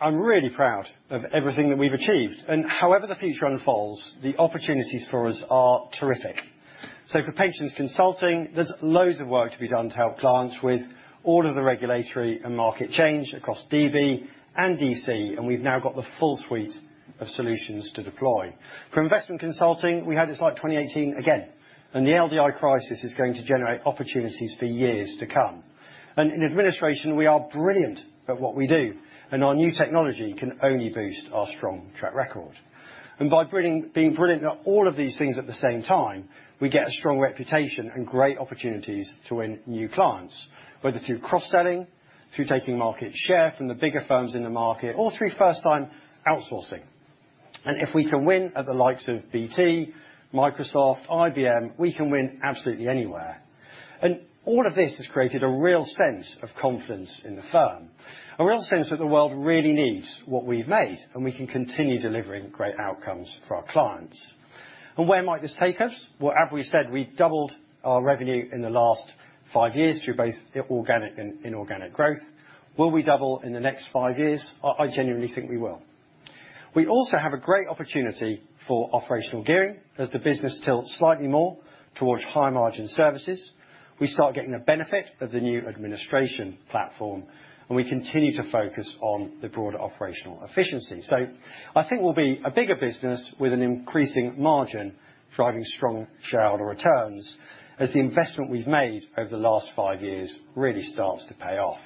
I'm really proud of everything that we've achieved and however the future unfolds, the opportunities for us are terrific. For pensions consulting, there's loads of work to be done to help clients with all of the regulatory and market change across DB and DC, and we've now got the full suite of solutions to deploy. For investment consulting, we had a slight 2018 again, and the LDI crisis is going to generate opportunities for years to come. In administration, we are brilliant at what we do, and our new technology can only boost our strong track record. By being brilliant at all of these things at the same time, we get a strong reputation and great opportunities to win new clients, whether through cross-selling, through taking market share from the bigger firms in the market, or through first-time outsourcing. If we can win at the likes of BT, Microsoft, IBM, we can win absolutely anywhere. All of this has created a real sense of confidence in the firm, a real sense that the world really needs what we've made, and we can continue delivering great outcomes for our clients. Where might this take us? Well, as we said, we doubled our revenue in the last five years through both organic and inorganic growth. Will we double in the next five years? I genuinely think we will. We also have a great opportunity for operational gearing as the business tilts slightly more towards higher-margin services. We start getting the benefit of the new administration platform, and we continue to focus on the broader operational efficiency. I think we'll be a bigger business with an increasing margin, driving strong shareholder returns as the investment we've made over the last five years really starts to pay off.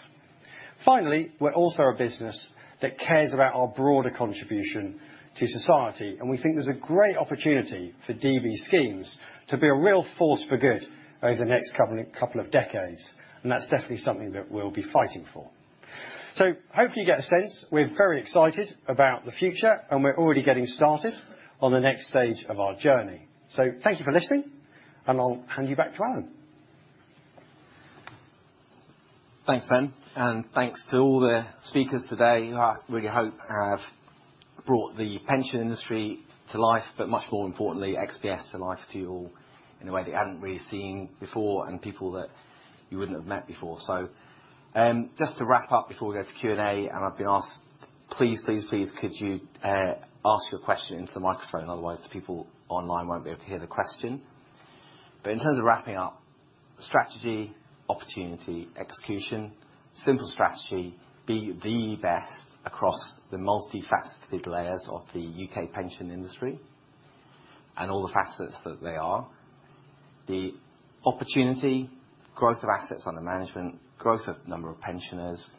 Finally, we're also a business that cares about our broader contribution to society, and we think there's a great opportunity for DB schemes to be a real force for good over the next coming two decades, and that's definitely something that we'll be fighting for. Hopefully you get a sense. We're very excited about the future, and we're already getting started on the next stage of our journey. Thank you for listening, and I'll hand you back to Alan.
Thanks, Ben, thanks to all the speakers today who I really hope have brought the pension industry to life, but much more importantly, XPS to life to you all in a way that you hadn't really seen before and people that you wouldn't have met before. Just to wrap up before we go to Q&A, and I've been asked please, please could you ask your question into the microphone, otherwise the people online won't be able to hear the question. In terms of wrapping up, strategy, opportunity, execution. Simple strategy, be the best across the multifaceted layers of the UK pension industry and all the facets that they are. The opportunity, growth of assets under management, growth of number of pensioners,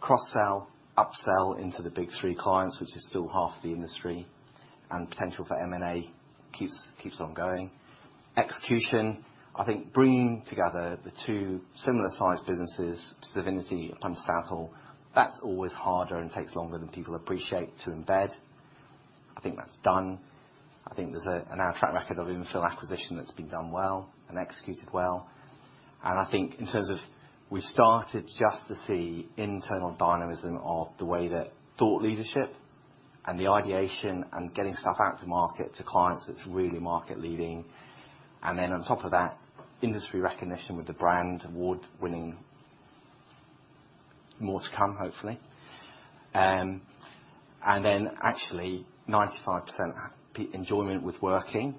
cross-sell, upsell into the big 3 clients, which is still half the industry and potential for M&A keeps on going. Execution, I think bringing together the two similar sized businesses, Xafinity and Punter Southall, that's always harder and takes longer than people appreciate to embed. I think that's done. I think there's an on track record of infill acquisition that's been done well and executed well. I think in terms of we started just to see internal dynamism of the way that thought leadership and the ideation and getting stuff out to market to clients that's really market leading. On top of that, industry recognition with the brand, award-winning. More to come, hopefully. Actually 95% enjoyment with working.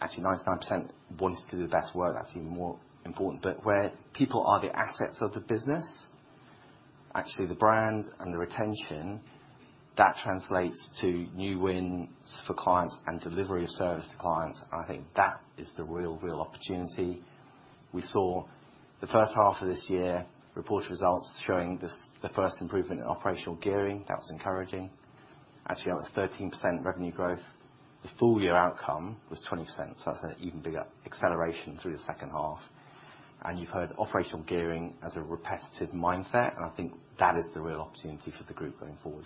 Actually 99% wanting to do the best work. That's even more important. Where people are the assets of the business, actually the brand and the retention, that translates to new wins for clients and delivery of service to clients. I think that is the real opportunity. We saw the first half of this year, reported results showing this, the first improvement in operational gearing. That was encouraging. Actually that was 13% revenue growth. The full year outcome was 20%, so that's an even bigger acceleration through the second half. You've heard operational gearing as a repetitive mindset. I think that is the real opportunity for the group going forward.